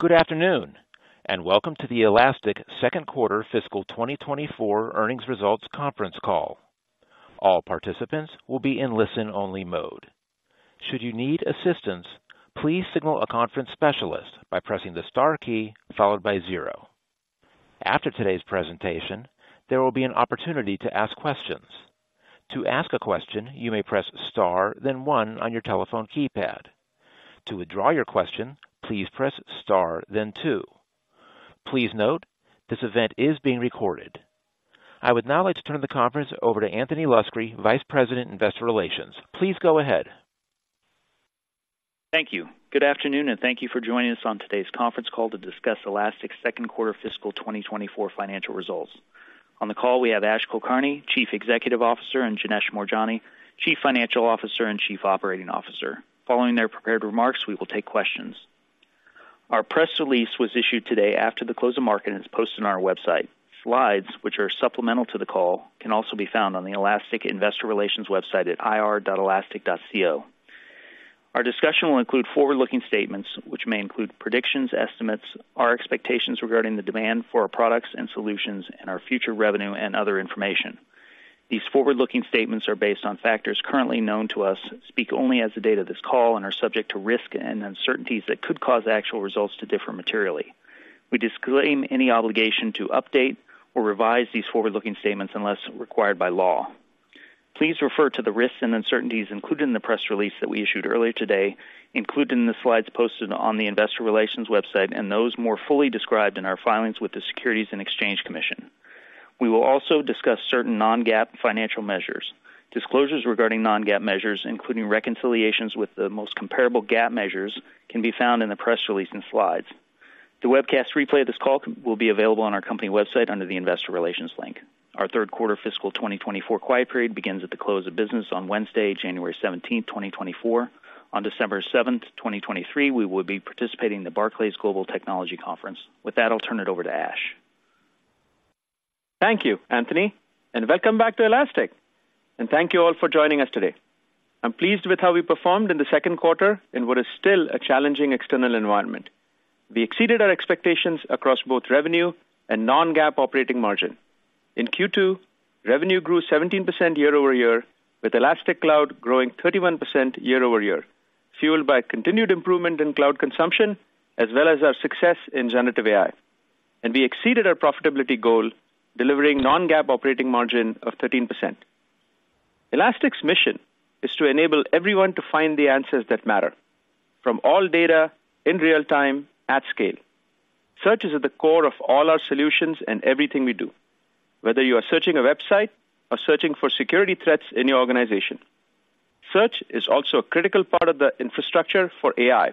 Good afternoon, and welcome to the Elastic second quarter fiscal 2024 earnings results conference call. All participants will be in listen-only mode. Should you need assistance, please signal a conference specialist by pressing the star key followed by zero. After today's presentation, there will be an opportunity to ask questions. To ask a question, you may press star, then one on your telephone keypad. To withdraw your question, please press star, then two. Please note, this event is being recorded. I would now like to turn the conference over to Anthony Luscri, Vice President, Investor Relations. Please go ahead. Thank you. Good afternoon, and thank you for joining us on today's conference call to discuss Elastic's second quarter fiscal 2024 financial results. On the call, we have Ash Kulkarni, Chief Executive Officer, and Janesh Moorjani, Chief Financial Officer and Chief Operating Officer. Following their prepared remarks, we will take questions. Our press release was issued today after the close of market, and it's posted on our website. Slides, which are supplemental to the call, can also be found on the Elastic Investor Relations website at ir.elastic.co. Our discussion will include forward-looking statements, which may include predictions, estimates, our expectations regarding the demand for our products and solutions, and our future revenue and other information. These forward-looking statements are based on factors currently known to us, speak only as the date of this call, and are subject to risk and uncertainties that could cause actual results to differ materially. We disclaim any obligation to update or revise these forward-looking statements unless required by law. Please refer to the risks and uncertainties included in the press release that we issued earlier today, included in the slides posted on the Investor Relations website, and those more fully described in our filings with the Securities and Exchange Commission. We will also discuss certain Non-GAAP financial measures. Disclosures regarding Non-GAAP measures, including reconciliations with the most comparable GAAP measures, can be found in the press release and slides. The webcast replay of this call will be available on our company website under the Investor Relations link. Our third quarter fiscal 2024 quiet period begins at the close of business on Wednesday, January 17, 2024. On December 7th, 2023, we will be participating in the Barclays Global Technology Conference. With that, I'll turn it over to Ash. Thank you, Anthony, and welcome back to Elastic, and thank you all for joining us today. I'm pleased with how we performed in the second quarter in what is still a challenging external environment. We exceeded our expectations across both revenue and Non-GAAP operating margin. In Q2, revenue grew 17% year-over-year, with Elastic Cloud growing 31% year-over-year, fueled by continued improvement in cloud consumption, as well as our success in Generative AI. And we exceeded our profitability goal, delivering Non-GAAP operating margin of 13%. Elastic's mission is to enable everyone to find the answers that matter, from all data, in real time, at scale. Search is at the core of all our solutions and everything we do, whether you are searching a website or searching for security threats in your organization. Search is also a critical part of the infrastructure for AI.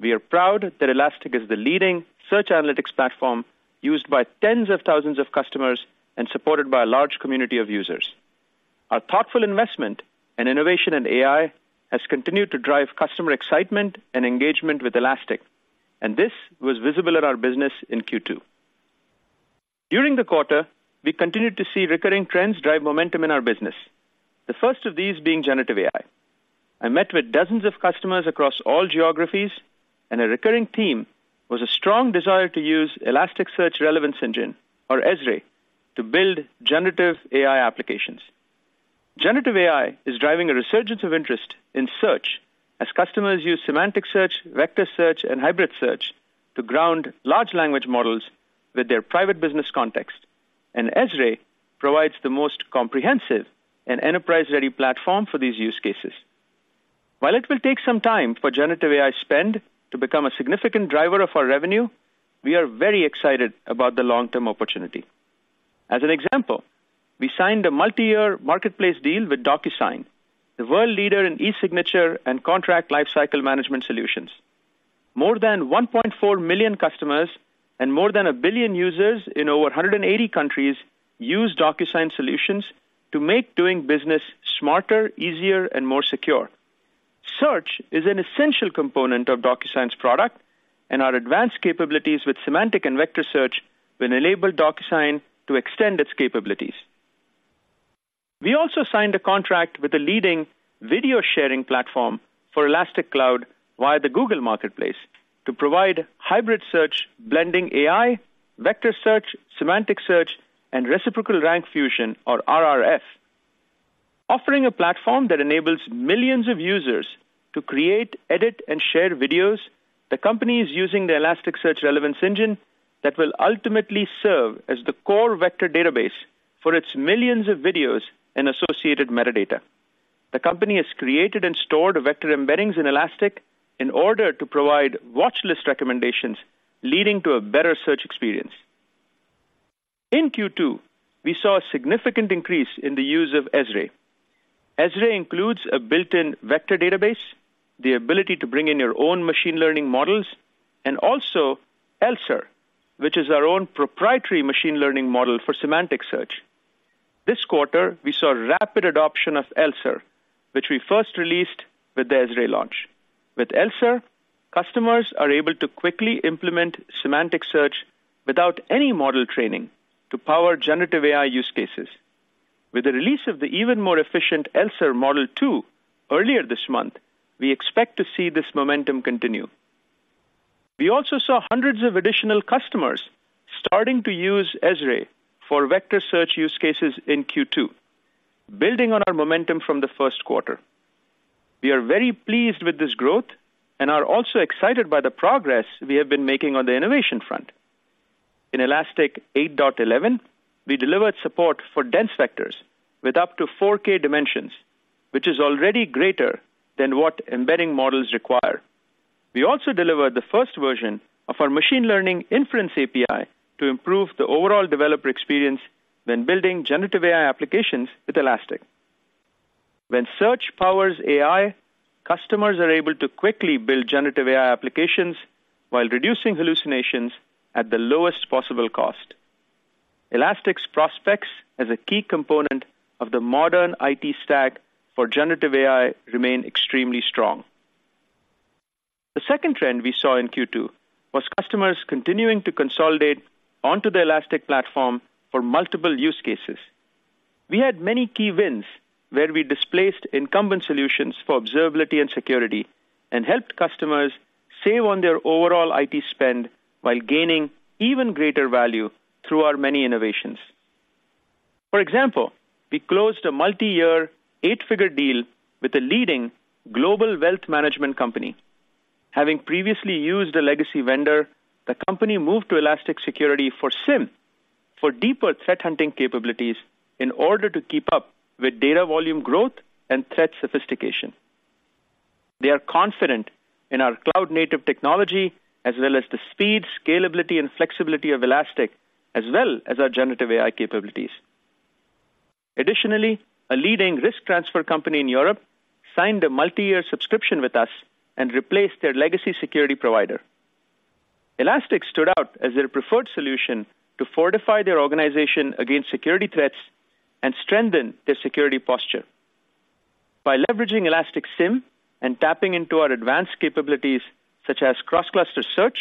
We are proud that Elastic is the leading search analytics platform used by tens of thousands of customers and supported by a large community of users. Our thoughtful investment and innovation in AI has continued to drive customer excitement and engagement with Elastic, and this was visible at our business in Q2. During the quarter, we continued to see recurring trends drive momentum in our business, the first of these being Generative AI. I met with dozens of customers across all geographies, and a recurring theme was a strong desire to use Elasticsearch Relevance Engine, or ESRE, to build Generative AI applications. Generative AI is driving a resurgence of interest in search as customers use semantic search, vector search, and hybrid search to ground large language models with their private business context, and ESRE provides the most comprehensive and enterprise-ready platform for these use cases. While it will take some time for Generative AI spend to become a significant driver of our revenue, we are very excited about the long-term opportunity. As an example, we signed a multi-year marketplace deal with DocuSign, the world leader in e-signature and contract lifecycle management solutions. More than 1.4 million customers and more than 1 billion users in over 180 countries use DocuSign solutions to make doing business smarter, easier, and more secure. Search is an essential component of DocuSign's product, and our advanced capabilities with semantic and vector search will enable DocuSign to extend its capabilities. We also signed a contract with a leading video-sharing platform for Elastic Cloud via the Google Marketplace to provide hybrid search, blending AI, vector search, semantic search, and reciprocal rank fusion, or RRF. Offering a platform that enables millions of users to create, edit, and share videos, the company is using the Elasticsearch Relevance Engine that will ultimately serve as the core vector database for its millions of videos and associated metadata. The company has created and stored vector embeddings in Elastic in order to provide watchlist recommendations, leading to a better search experience. In Q2, we saw a significant increase in the use of ESRE. ESRE includes a built-in vector database, the ability to bring in your own machine learning models, and also ELSER, which is our own proprietary machine learning model for semantic search. This quarter, we saw rapid adoption of ELSER, which we first released with the ESRE launch. With ELSER, customers are able to quickly implement semantic search without any model training to power Generative AI use cases.... With the release of the even more efficient ELSER model two earlier this month, we expect to see this momentum continue. We also saw hundreds of additional customers starting to use ESRE for vector search use cases in Q2, building on our momentum from the first quarter. We are very pleased with this growth and are also excited by the progress we have been making on the innovation front. In Elastic 8.11, we delivered support for dense vectors with up to 4K dimensions, which is already greater than what embedding models require. We also delivered the first version of our machine learning inference API to improve the overall developer experience when building Generative AI applications with Elastic. When search powers AI, customers are able to quickly build Generative AI applications while reducing hallucinations at the lowest possible cost. Elastic's prospects as a key component of the modern IT stack for Generative AI remain extremely strong. The second trend we saw in Q2 was customers continuing to consolidate onto the Elastic platform for multiple use cases. We had many key wins where we displaced incumbent solutions for observability and security, and helped customers save on their overall IT spend while gaining even greater value through our many innovations. For example, we closed a multi-year, eight-figure deal with a leading global wealth management company. Having previously used a legacy vendor, the company moved to Elastic Security for SIEM, for deeper threat hunting capabilities in order to keep up with data volume growth and threat sophistication. They are confident in our cloud-native technology, as well as the speed, scalability, and flexibility of Elastic, as well as our Generative AI capabilities. Additionally, a leading risk transfer company in Europe signed a multi-year subscription with us and replaced their legacy security provider. Elastic stood out as their preferred solution to fortify their organization against security threats and strengthen their security posture. By leveraging Elastic SIEM and tapping into our advanced capabilities, such as cross-cluster search,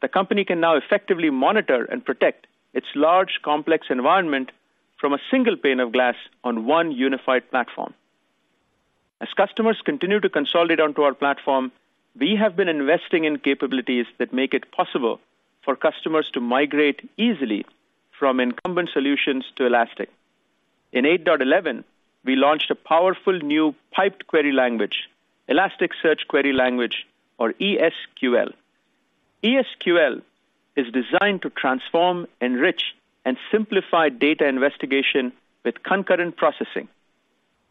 the company can now effectively monitor and protect its large, complex environment from a single pane of glass on one unified platform. As customers continue to consolidate onto our platform, we have been investing in capabilities that make it possible for customers to migrate easily from incumbent solutions to Elastic. In 8.11, we launched a powerful new piped query language, Elasticsearch Query Language, or ESQL. ESQL is designed to transform, enrich, and simplify data investigation with concurrent processing.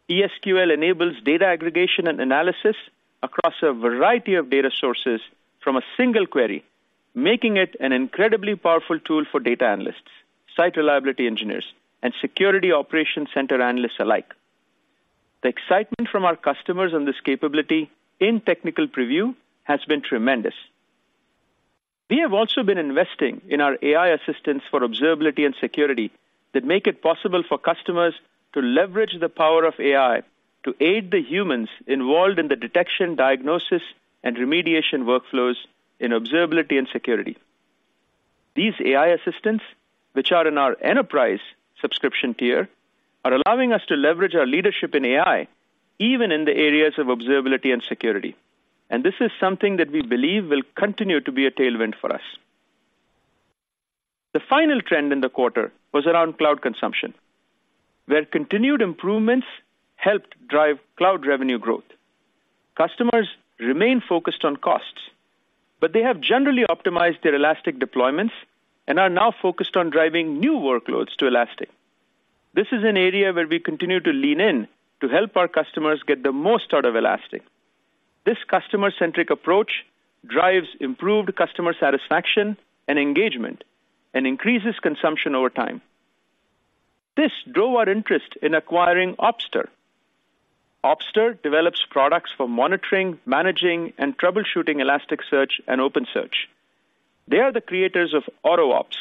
ESQL enables data aggregation and analysis across a variety of data sources from a single query, making it an incredibly powerful tool for data analysts, site reliability engineers, and security operations center analysts alike. The excitement from our customers on this capability in technical preview has been tremendous. We have also been investing in our AI assistants for observability and security that make it possible for customers to leverage the power of AI to aid the humans involved in the detection, diagnosis, and remediation workflows in observability and security. These AI assistants, which are in our enterprise subscription tier, are allowing us to leverage our leadership in AI, even in the areas of observability and security, and this is something that we believe will continue to be a tailwind for us. The final trend in the quarter was around cloud consumption, where continued improvements helped drive cloud revenue growth. Customers remain focused on costs, but they have generally optimized their Elastic deployments and are now focused on driving new workloads to Elastic. This is an area where we continue to lean in to help our customers get the most out of Elastic. This customer-centric approach drives improved customer satisfaction and engagement and increases consumption over time. This drove our interest in acquiring Opster. Opster develops products for monitoring, managing, and troubleshooting Elasticsearch and OpenSearch. They are the creators of AutoOps,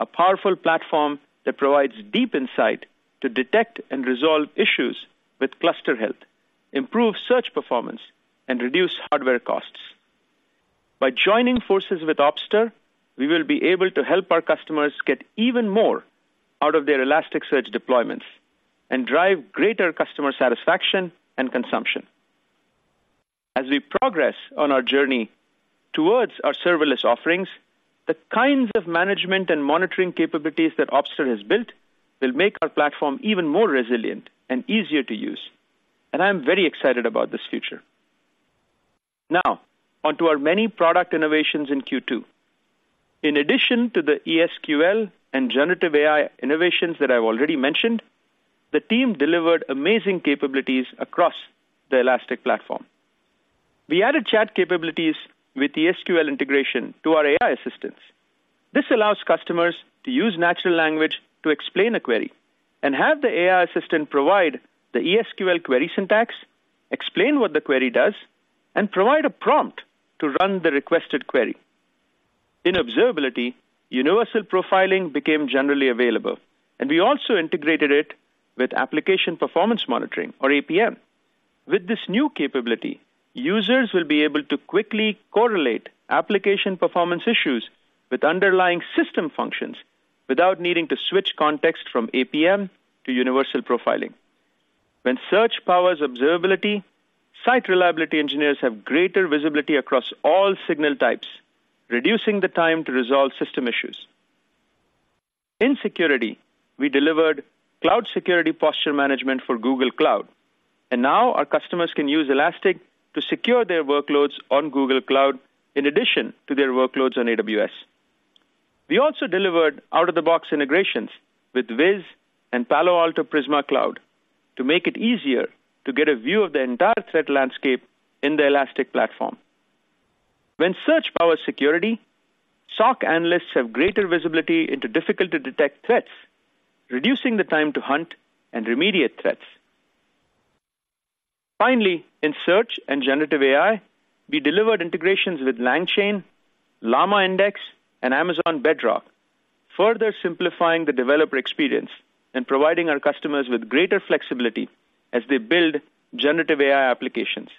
a powerful platform that provides deep insight to detect and resolve issues with cluster health, improve search performance, and reduce hardware costs. By joining forces with Opster, we will be able to help our customers get even more out of their Elasticsearch deployments and drive greater customer satisfaction and consumption. As we progress on our journey towards our serverless offerings, the kinds of management and monitoring capabilities that Opster has built will make our platform even more resilient and easier to use, and I am very excited about this future. Now, on to our many product innovations in Q2. In addition to the ESQL and Generative AI innovations that I've already mentioned, the team delivered amazing capabilities across the Elastic platform. We added chat capabilities with ESQL integration to our AI assistants. This allows customers to use natural language to explain a query and have the AI assistant provide the ESQL query syntax, explain what the query does, and provide a prompt to run the requested query. In observability, Universal Profiling became generally available, and we also integrated it with application performance monitoring, or APM. With this new capability, users will be able to quickly correlate application performance issues with underlying system functions without needing to switch context from APM to Universal Profiling. When search powers observability, site reliability engineers have greater visibility across all signal types, reducing the time to resolve system issues. In security, we delivered Cloud Security Posture Management for Google Cloud, and now our customers can use Elastic to secure their workloads on Google Cloud in addition to their workloads on AWS. We also delivered out-of-the-box integrations with Wiz and Palo Alto Prisma Cloud to make it easier to get a view of the entire threat landscape in the Elastic platform. When search powers security, SOC analysts have greater visibility into difficult-to-detect threats, reducing the time to hunt and remediate threats. Finally, in search and Generative AI, we delivered integrations with LangChain, LlamaIndex, and Amazon Bedrock, further simplifying the developer experience and providing our customers with greater flexibility as they build Generative AI applications.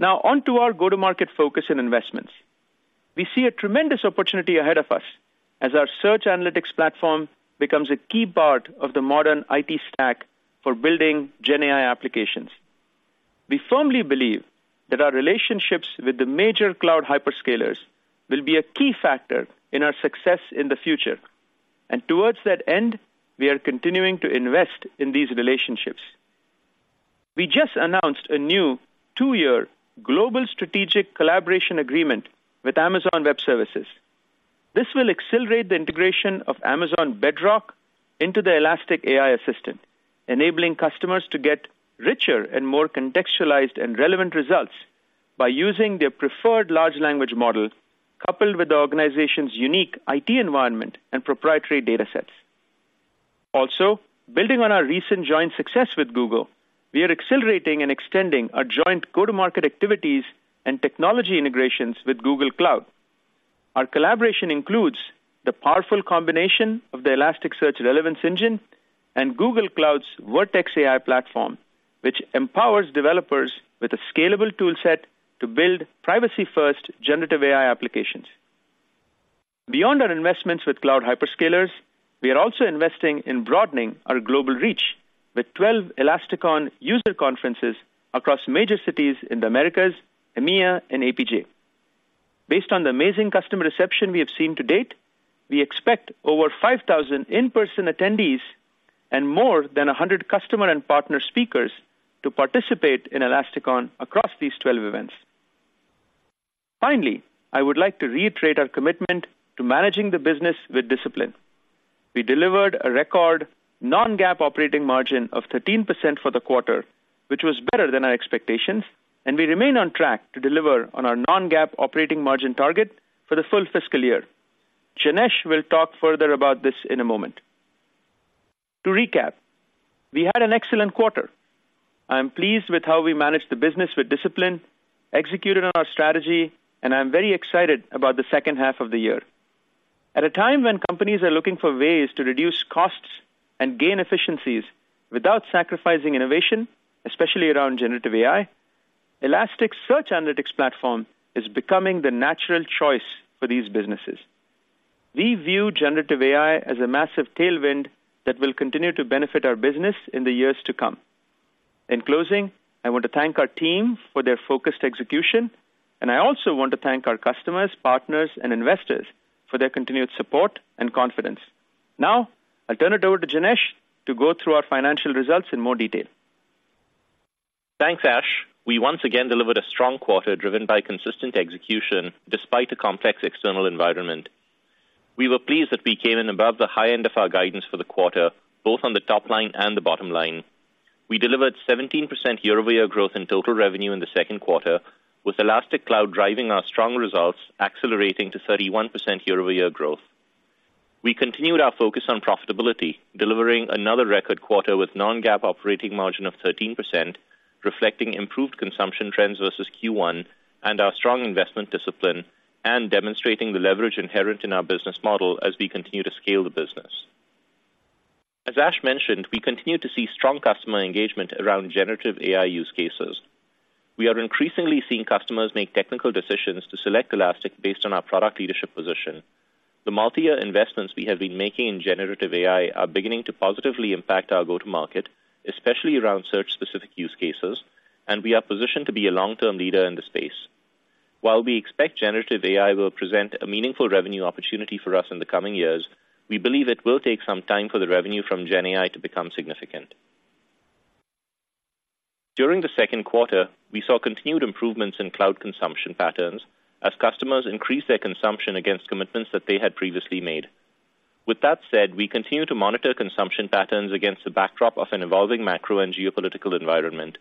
Now on to our go-to-market focus and investments. We see a tremendous opportunity ahead of us as our search analytics platform becomes a key part of the modern IT stack for building gen AI applications. We firmly believe that our relationships with the major cloud hyperscalers will be a key factor in our success in the future, and towards that end, we are continuing to invest in these relationships. We just announced a new two-year global strategic collaboration agreement with Amazon Web Services. This will accelerate the integration of Amazon Bedrock into the Elastic AI Assistant, enabling customers to get richer and more contextualized and relevant results by using their preferred large language model, coupled with the organization's unique IT environment and proprietary datasets. Also, building on our recent joint success with Google, we are accelerating and extending our joint go-to-market activities and technology integrations with Google Cloud. Our collaboration includes the powerful combination of the Elasticsearch Relevance Engine and Google Cloud's Vertex AI platform, which empowers developers with a scalable toolset to build privacy-first Generative AI applications. Beyond our investments with cloud hyperscalers, we are also investing in broadening our global reach with 12 Elastic User conferences across major cities in the Americas, EMEA, and APJ. Based on the amazing customer reception we have seen to date, we expect over 5,000 in-person attendees and more than 100 customer and partner speakers to participate in ElastiCon across these 12 events. Finally, I would like to reiterate our commitment to managing the business with discipline. We delivered a record Non-GAAP operating margin of 13% for the quarter, which was better than our expectations, and we remain on track to deliver on our Non-GAAP operating margin target for the full fiscal year. Janesh will talk further about this in a moment. To recap, we had an excellent quarter. I am pleased with how we managed the business with discipline, executed on our strategy, and I'm very excited about the second half of the year. At a time when companies are looking for ways to reduce costs and gain efficiencies without sacrificing innovation, especially around Generative AI, Elastic Search AI platform is becoming the natural choice for these businesses. We view Generative AI as a massive tailwind that will continue to benefit our business in the years to come. In closing, I want to thank our team for their focused execution, and I also want to thank our customers, partners, and investors for their continued support and confidence. Now, I'll turn it over to Janesh to go through our financial results in more detail. Thanks, Ash. We once again delivered a strong quarter, driven by consistent execution, despite a complex external environment. We were pleased that we came in above the high end of our guidance for the quarter, both on the top line and the bottom line. We delivered 17% year-over-year growth in total revenue in the second quarter, with Elastic Cloud driving our strong results, accelerating to 31% year-over-year growth. We continued our focus on profitability, delivering another record quarter with Non-GAAP operating margin of 13%, reflecting improved consumption trends versus Q1, and our strong investment discipline, and demonstrating the leverage inherent in our business model as we continue to scale the business. As Ash mentioned, we continue to see strong customer engagement around Generative AI use cases. We are increasingly seeing customers make technical decisions to select Elastic based on our product leadership position. The multi-year investments we have been making in Generative AI are beginning to positively impact our go-to-market, especially around search-specific use cases, and we are positioned to be a long-term leader in the space. While we expect Generative AI will present a meaningful revenue opportunity for us in the coming years, we believe it will take some time for the revenue from gen AI to become significant. During the second quarter, we saw continued improvements in cloud consumption patterns as customers increased their consumption against commitments that they had previously made. With that said, we continue to monitor consumption patterns against the backdrop of an evolving macro and geopolitical environment.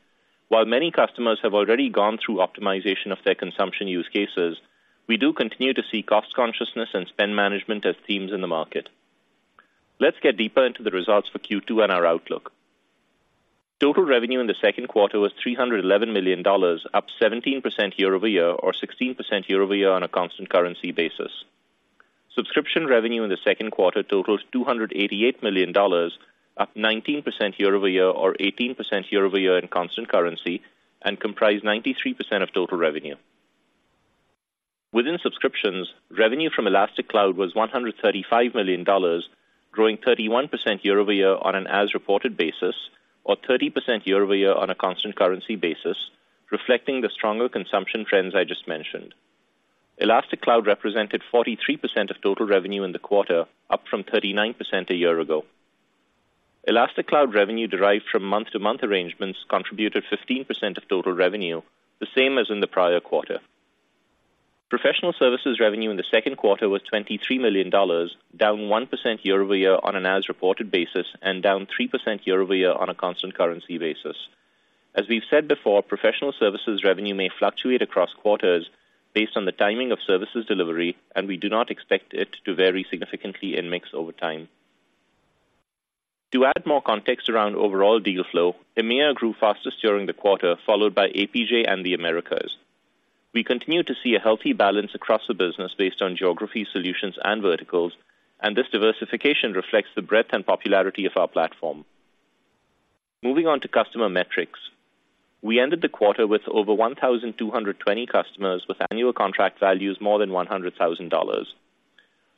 While many customers have already gone through optimization of their consumption use cases, we do continue to see cost consciousness and spend management as themes in the market. Let's get deeper into the results for Q2 and our outlook. Total revenue in the second quarter was $311 million, up 17% year-over-year, or 16% year-over-year on a constant currency basis. Subscription revenue in the second quarter totals $288 million, up 19% year-over-year or 18% year-over-year in constant currency, and comprised 93% of total revenue. Within subscriptions, revenue from Elastic Cloud was $135 million, growing 31% year-over-year on an as-reported basis, or 30% year-over-year on a constant currency basis, reflecting the stronger consumption trends I just mentioned. Elastic Cloud represented 43% of total revenue in the quarter, up from 39% a year ago. Elastic Cloud revenue derived from month-to-month arrangements contributed 15% of total revenue, the same as in the prior quarter. Professional services revenue in the second quarter was $23 million, down 1% year-over-year on an as-reported basis and down 3% year-over-year on a constant currency basis. As we've said before, professional services revenue may fluctuate across quarters based on the timing of services delivery, and we do not expect it to vary significantly in mix over time. To add more context around overall deal flow, EMEA grew fastest during the quarter, followed by APJ and the Americas. We continue to see a healthy balance across the business based on geography, solutions, and verticals, and this diversification reflects the breadth and popularity of our platform. Moving on to customer metrics. We ended the quarter with over 1,220 customers, with annual contract values more than $100,000.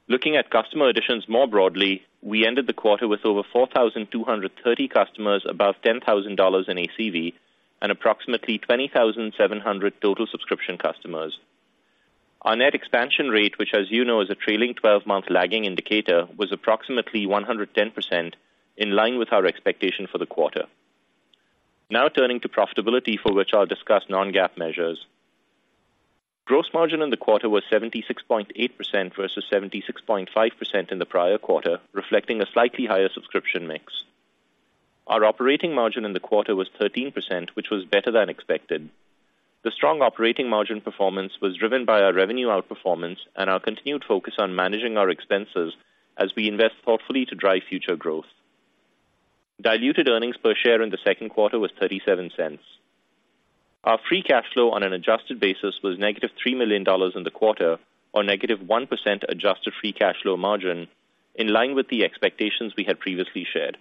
Looking at customer additions more broadly, we ended the quarter with over 4,230 customers above $10,000 in ACV, and approximately 20,700 total subscription customers. Our net expansion rate, which, as you know, is a trailing twelve-month lagging indicator, was approximately 110%, in line with our expectation for the quarter. Now turning to profitability, for which I'll discuss Non-GAAP measures. Gross margin in the quarter was 76.8% versus 76.5% in the prior quarter, reflecting a slightly higher subscription mix. Our operating margin in the quarter was 13%, which was better than expected. The strong operating margin performance was driven by our revenue outperformance and our continued focus on managing our expenses as we invest thoughtfully to drive future growth. Diluted earnings per share in the second quarter was $0.37. Our free cash flow on an adjusted basis was -$3 million in the quarter, or -1% adjusted free cash flow margin, in line with the expectations we had previously shared.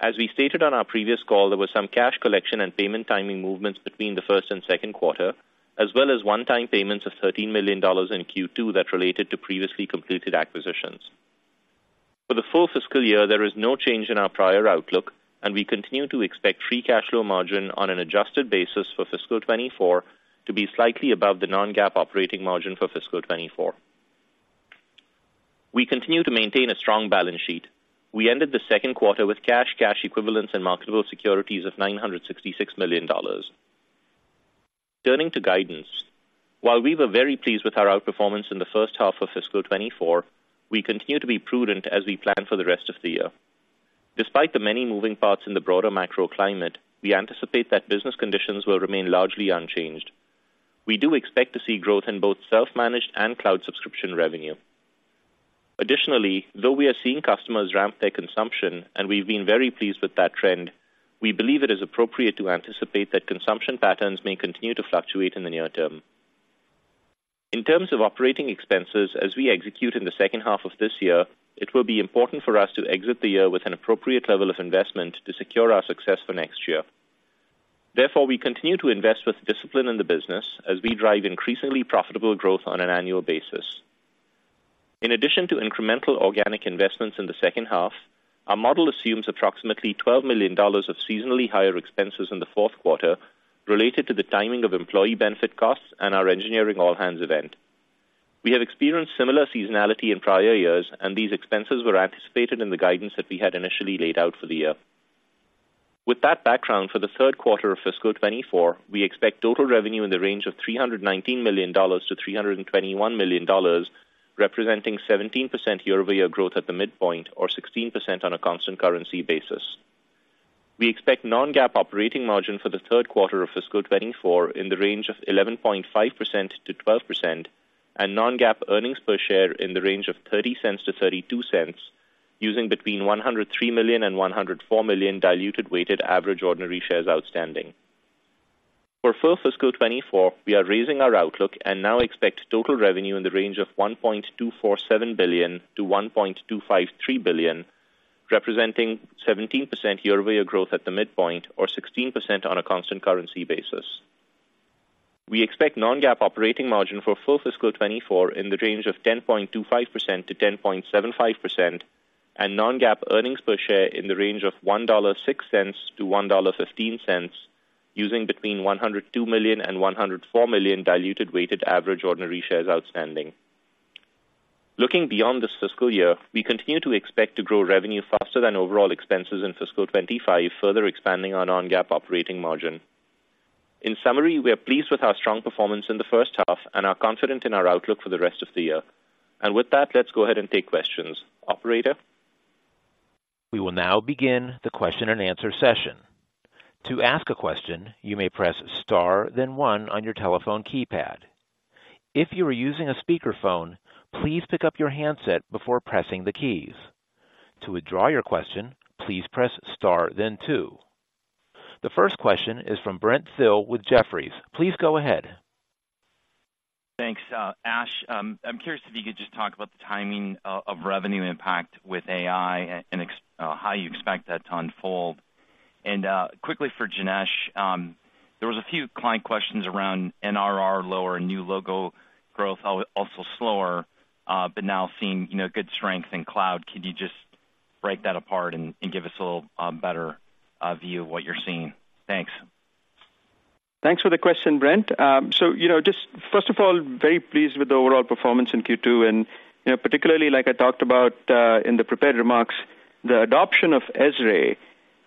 As we stated on our previous call, there was some cash collection and payment timing movements between the first and second quarter, as well as one-time payments of $13 million in Q2 that related to previously completed acquisitions. For the full fiscal year, there is no change in our prior outlook, and we continue to expect free cash flow margin on an adjusted basis for fiscal 2024 to be slightly above the Non-GAAP operating margin for fiscal 2024. We continue to maintain a strong balance sheet. We ended the second quarter with cash, cash equivalents, and marketable securities of $966 million. Turning to guidance. While we were very pleased with our outperformance in the first half of fiscal 2024, we continue to be prudent as we plan for the rest of the year. Despite the many moving parts in the broader macro climate, we anticipate that business conditions will remain largely unchanged. We do expect to see growth in both self-managed and cloud subscription revenue. Additionally, though we are seeing customers ramp their consumption, and we've been very pleased with that trend, we believe it is appropriate to anticipate that consumption patterns may continue to fluctuate in the near term. In terms of operating expenses, as we execute in the second half of this year, it will be important for us to exit the year with an appropriate level of investment to secure our success for next year. Therefore, we continue to invest with discipline in the business as we drive increasingly profitable growth on an annual basis. In addition to incremental organic investments in the second half, our model assumes approximately $12 million of seasonally higher expenses in the fourth quarter related to the timing of employee benefit costs and our engineering all-hands event. We have experienced similar seasonality in prior years, and these expenses were anticipated in the guidance that we had initially laid out for the year. With that background, for the third quarter of fiscal 2024, we expect total revenue in the range of $319 million-$321 million, representing 17% year-over-year growth at the midpoint, or 16% on a constant currency basis. We expect Non-GAAP operating margin for the third quarter of fiscal 2024 in the range of 11.5%-12% and Non-GAAP earnings per share in the range of $0.30-$0.32, using between 103 million and 104 million diluted weighted average ordinary shares outstanding. For full fiscal 2024, we are raising our outlook and now expect total revenue in the range of $1.247 billion-$1.253 billion, representing 17% year-over-year growth at the midpoint or 16% on a constant currency basis. We expect Non-GAAP operating margin for full fiscal 2024 in the range of 10.25%-10.75% and Non-GAAP earnings per share in the range of $1.06-$1.15, using between 102 million and 104 million diluted weighted average ordinary shares outstanding. Looking beyond this fiscal year, we continue to expect to grow revenue faster than overall expenses in fiscal 2025, further expanding our Non-GAAP operating margin. In summary, we are pleased with our strong performance in the first half and are confident in our outlook for the rest of the year. And with that, let's go ahead and take questions. Operator? We will now begin the question-and-answer session. To ask a question, you may press Star, then one on your telephone keypad. If you are using a speakerphone, please pick up your handset before pressing the keys. To withdraw your question, please press Star, then two. The first question is from Brent Thill with Jefferies. Please go ahead. Thanks, Ash. I'm curious if you could just talk about the timing of revenue impact with AI and how you expect that to unfold. And, quickly for Janesh, there was a few client questions around NRR lower and new logo growth also slower, but now seeing, you know, good strength in cloud. Could you just break that apart and give us a little better view of what you're seeing? Thanks. Thanks for the question, Brent. So, you know, just first of all, very pleased with the overall performance in Q2, and, you know, particularly like I talked about, in the prepared remarks, the adoption of ESRE.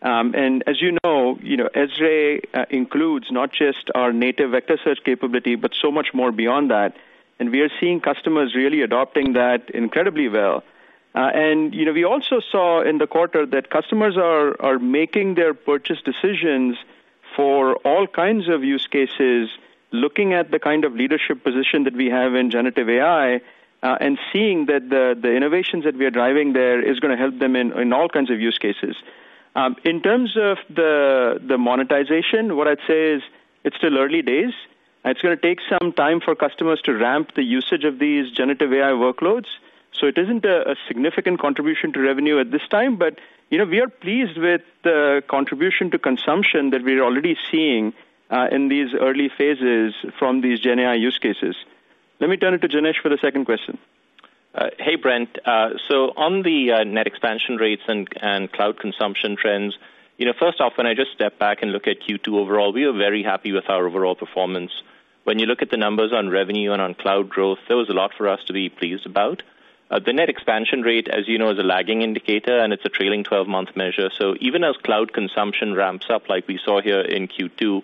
And as you know, you know, ESRE includes not just our native vector search capability, but so much more beyond that, and we are seeing customers really adopting that incredibly well. And, you know, we also saw in the quarter that customers are making their purchase decisions for all kinds of use cases, looking at the kind of leadership position that we have in Generative AI, and seeing that the innovations that we are driving there is gonna help them in all kinds of use cases. In terms of the monetization, what I'd say is, it's still early days. It's gonna take some time for customers to ramp the usage of these Generative AI workloads, so it isn't a, a significant contribution to revenue at this time, but, you know, we are pleased with the contribution to consumption that we are already seeing in these early phases from these Gen AI use cases. Let me turn it to Janesh for the second question. Hey, Brent. So on the net expansion rates and cloud consumption trends, you know, first off, when I just step back and look at Q2 overall, we are very happy with our overall performance. When you look at the numbers on revenue and on cloud growth, there was a lot for us to be pleased about. The net expansion rate, as you know, is a lagging indicator, and it's a trailing twelve-month measure. So even as cloud consumption ramps up like we saw here in Q2,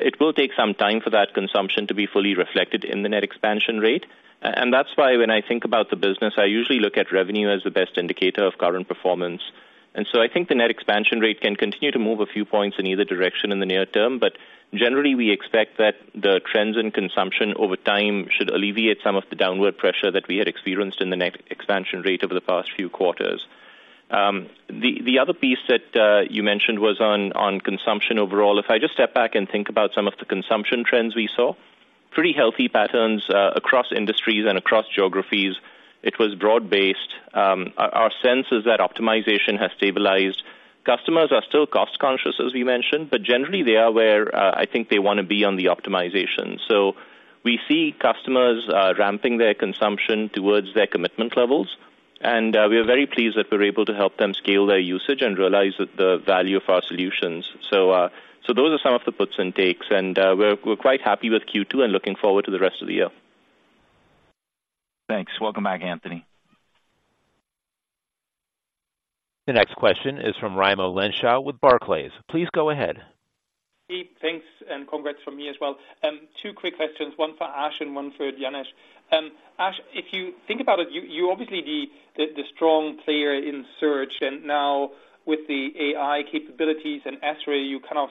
it will take some time for that consumption to be fully reflected in the net expansion rate. And that's why when I think about the business, I usually look at revenue as the best indicator of current performance. And so I think the net expansion rate can continue to move a few points in either direction in the near term, but generally, we expect that the trends in consumption over time should alleviate some of the downward pressure that we had experienced in the net expansion rate over the past few quarters. The other piece that you mentioned was on consumption overall. If I just step back and think about some of the consumption trends we saw, pretty healthy patterns across industries and across geographies. It was broad-based. Our sense is that optimization has stabilized. Customers are still cost-conscious, as we mentioned, but generally they are where I think they wanna be on the optimization. So we see customers ramping their consumption towards their commitment levels, and we are very pleased that we're able to help them scale their usage and realize the value of our solutions. So those are some of the puts and takes, and we're quite happy with Q2 and looking forward to the rest of the year. Thanks. Welcome back, Anthony. The next question is from Raimo Lenschow with Barclays. Please go ahead. Hey, thanks, and congrats from me as well. Two quick questions, one for Ash and one for Janesh. Ash, if you think about it, you, you're obviously the strong player in search, and now with the AI capabilities and ESRE, you kind of,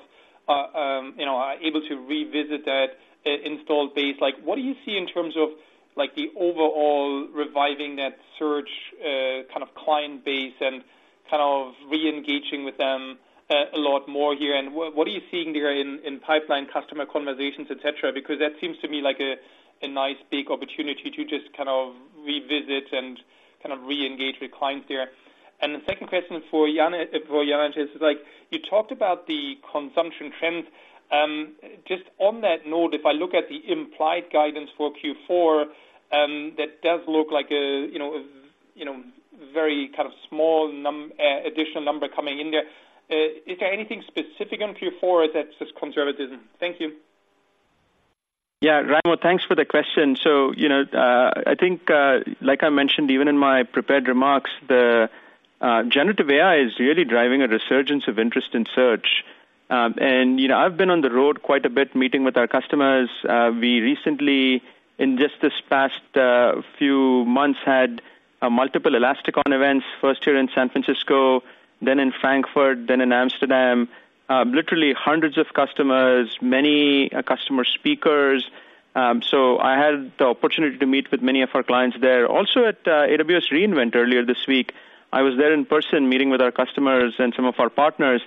you know, are able to revisit that installed base. Like, what do you see in terms of, like, the overall reviving that search kind of client base and kind of reengaging with them a lot more here? And what, what are you seeing there in pipeline customer conversations, et cetera? Because that seems to me like a nice big opportunity to just kind of revisit and kind of reengage with clients there. And the second question is for Jane- for Janesh. Is like, you talked about the consumption trends. Just on that note, if I look at the implied guidance for Q4, that does look like a, you know, a, you know, very kind of small additional number coming in there. Is there anything specific on Q4, or is that just conservatism? Thank you. Yeah, Raimo, thanks for the question. So, you know, I think, like I mentioned, even in my prepared remarks, the, Generative AI is really driving a resurgence of interest in search. And, you know, I've been on the road quite a bit, meeting with our customers. We recently, in just this past, few months, had a multiple ElastiCon events, first here in San Francisco, then in Frankfurt, then in Amsterdam. Literally hundreds of customers, many customer speakers. So I had the opportunity to meet with many of our clients there. Also at, AWS re:Invent earlier this week, I was there in person meeting with our customers and some of our partners.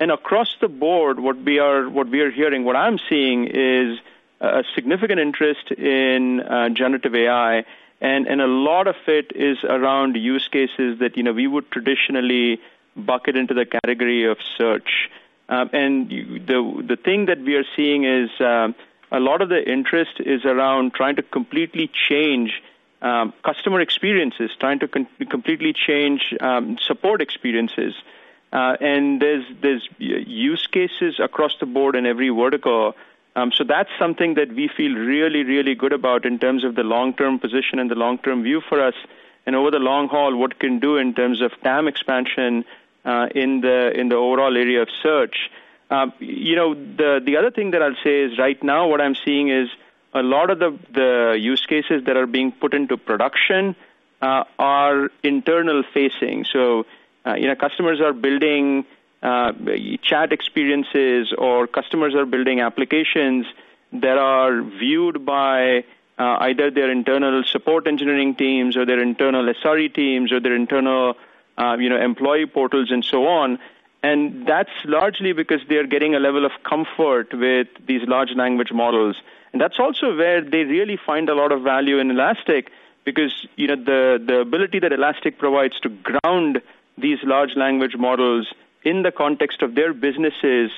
And across the board, what we are hearing, what I'm seeing is a significant interest in Generative AI, and a lot of it is around use cases that, you know, we would traditionally bucket into the category of search. And the thing that we are seeing is a lot of the interest is around trying to completely change customer experiences, trying to completely change support experiences. And there's use cases across the board in every vertical. So that's something that we feel really, really good about in terms of the long-term position and the long-term view for us, and over the long haul, what it can do in terms of TAM expansion in the overall area of search. You know, the other thing that I'll say is, right now, what I'm seeing is a lot of the use cases that are being put into production are internal-facing. So, you know, customers are building chat experiences, or customers are building applications that are either their internal support engineering teams or their internal SRE teams, or their internal, you know, employee portals and so on. And that's largely because they are getting a level of comfort with these large language models. And that's also where they really find a lot of value in Elastic, because, you know, the ability that Elastic provides to ground these large language models in the context of their businesses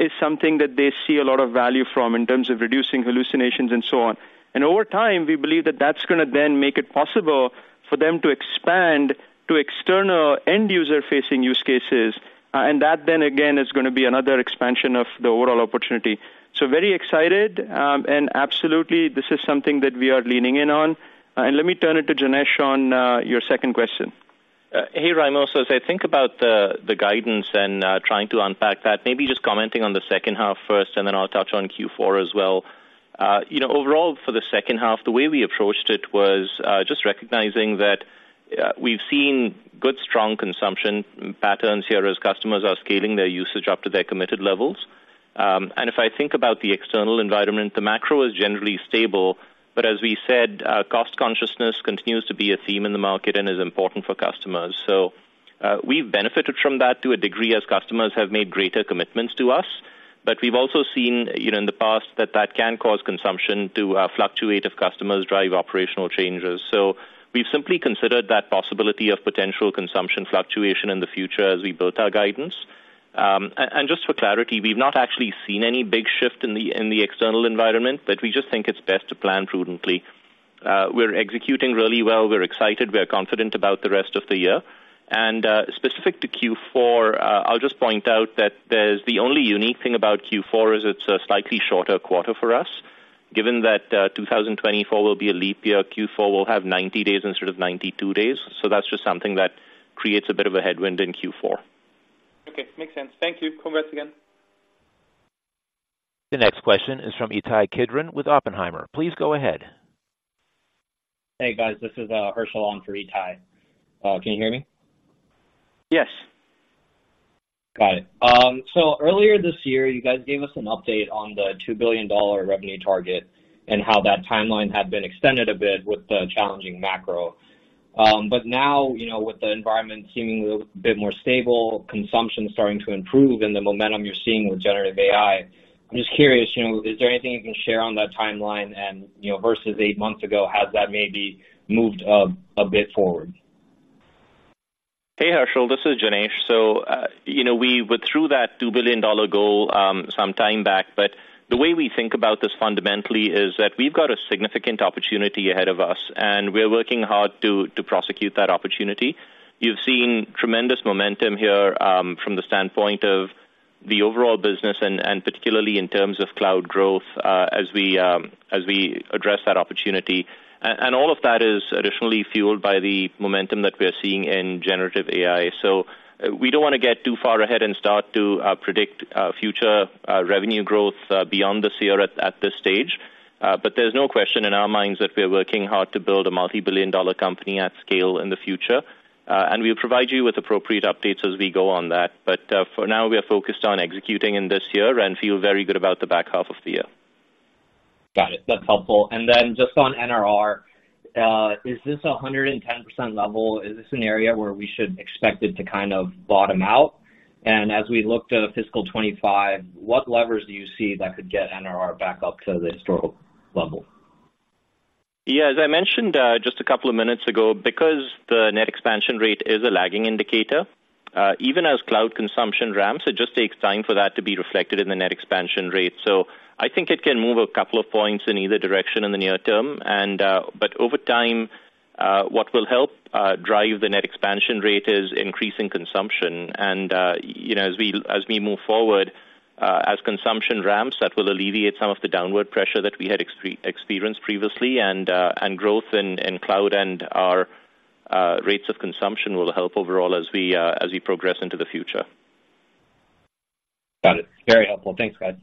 is something that they see a lot of value from in terms of reducing hallucinations and so on. Over time, we believe that that's gonna then make it possible for them to expand to external end-user-facing use cases. And that then again, is gonna be another expansion of the overall opportunity. So very excited, and absolutely, this is something that we are leaning in on. And let me turn it to Janesh on your second question. Hey, Raimo. So as I think about the guidance and trying to unpack that, maybe just commenting on the second half first, and then I'll touch on Q4 as well. You know, overall, for the second half, the way we approached it was just recognizing that we've seen good, strong consumption patterns here as customers are scaling their usage up to their committed levels. And if I think about the external environment, the macro is generally stable, but as we said, cost consciousness continues to be a theme in the market and is important for customers. So we've benefited from that to a degree as customers have made greater commitments to us. But we've also seen, you know, in the past that that can cause consumption to fluctuate if customers drive operational changes. So we've simply considered that possibility of potential consumption fluctuation in the future as we built our guidance. And just for clarity, we've not actually seen any big shift in the external environment, but we just think it's best to plan prudently. We're executing really well. We're excited. We're confident about the rest of the year. And specific to Q4, I'll just point out that there's. The only unique thing about Q4 is it's a slightly shorter quarter for us. Given that, 2024 will be a leap year, Q4 will have 90 days instead of 92 days. So that's just something that creates a bit of a headwind in Q4. Okay, makes sense. Thank you. Congrats again. The next question is from Itai Kidron with Oppenheimer. Please go ahead. Hey, guys, this is, Herschel on for Itai. Can you hear me? Yes. Got it. So earlier this year, you guys gave us an update on the $2 billion revenue target and how that timeline had been extended a bit with the challenging macro. But now, you know, with the environment seeming a bit more stable, consumption starting to improve and the momentum you're seeing with Generative AI, I'm just curious, you know, is there anything you can share on that timeline? And, you know, versus eight months ago, has that maybe moved a bit forward? Hey, Herschel, this is Janesh. So, you know, we went through that $2 billion goal some time back, but the way we think about this fundamentally is that we've got a significant opportunity ahead of us, and we're working hard to prosecute that opportunity. You've seen tremendous momentum here from the standpoint of the overall business and particularly in terms of cloud growth as we address that opportunity. And all of that is additionally fueled by the momentum that we are seeing in Generative AI. So we don't wanna get too far ahead and start to predict future revenue growth beyond this year at this stage. But there's no question in our minds that we're working hard to build a multi-billion dollar company at scale in the future. We'll provide you with appropriate updates as we go on that. But, for now, we are focused on executing in this year and feel very good about the back half of the year. Got it. That's helpful. And then just on NRR, is this a 110% level? Is this an area where we should expect it to kind of bottom out? And as we look to fiscal 2025, what levers do you see that could get NRR back up to the historical level? Yeah, as I mentioned, just a couple of minutes ago, because the Net Expansion Rate is a lagging indicator, even as cloud consumption ramps, it just takes time for that to be reflected in the Net Expansion Rate. So I think it can move a couple of points in either direction in the near term. But over time, what will help drive the Net Expansion Rate is increasing consumption. And, you know, as we move forward, as consumption ramps, that will alleviate some of the downward pressure that we had experienced previously, and growth in cloud and our rates of consumption will help overall as we progress into the future. Got it. Very helpful. Thanks, guys.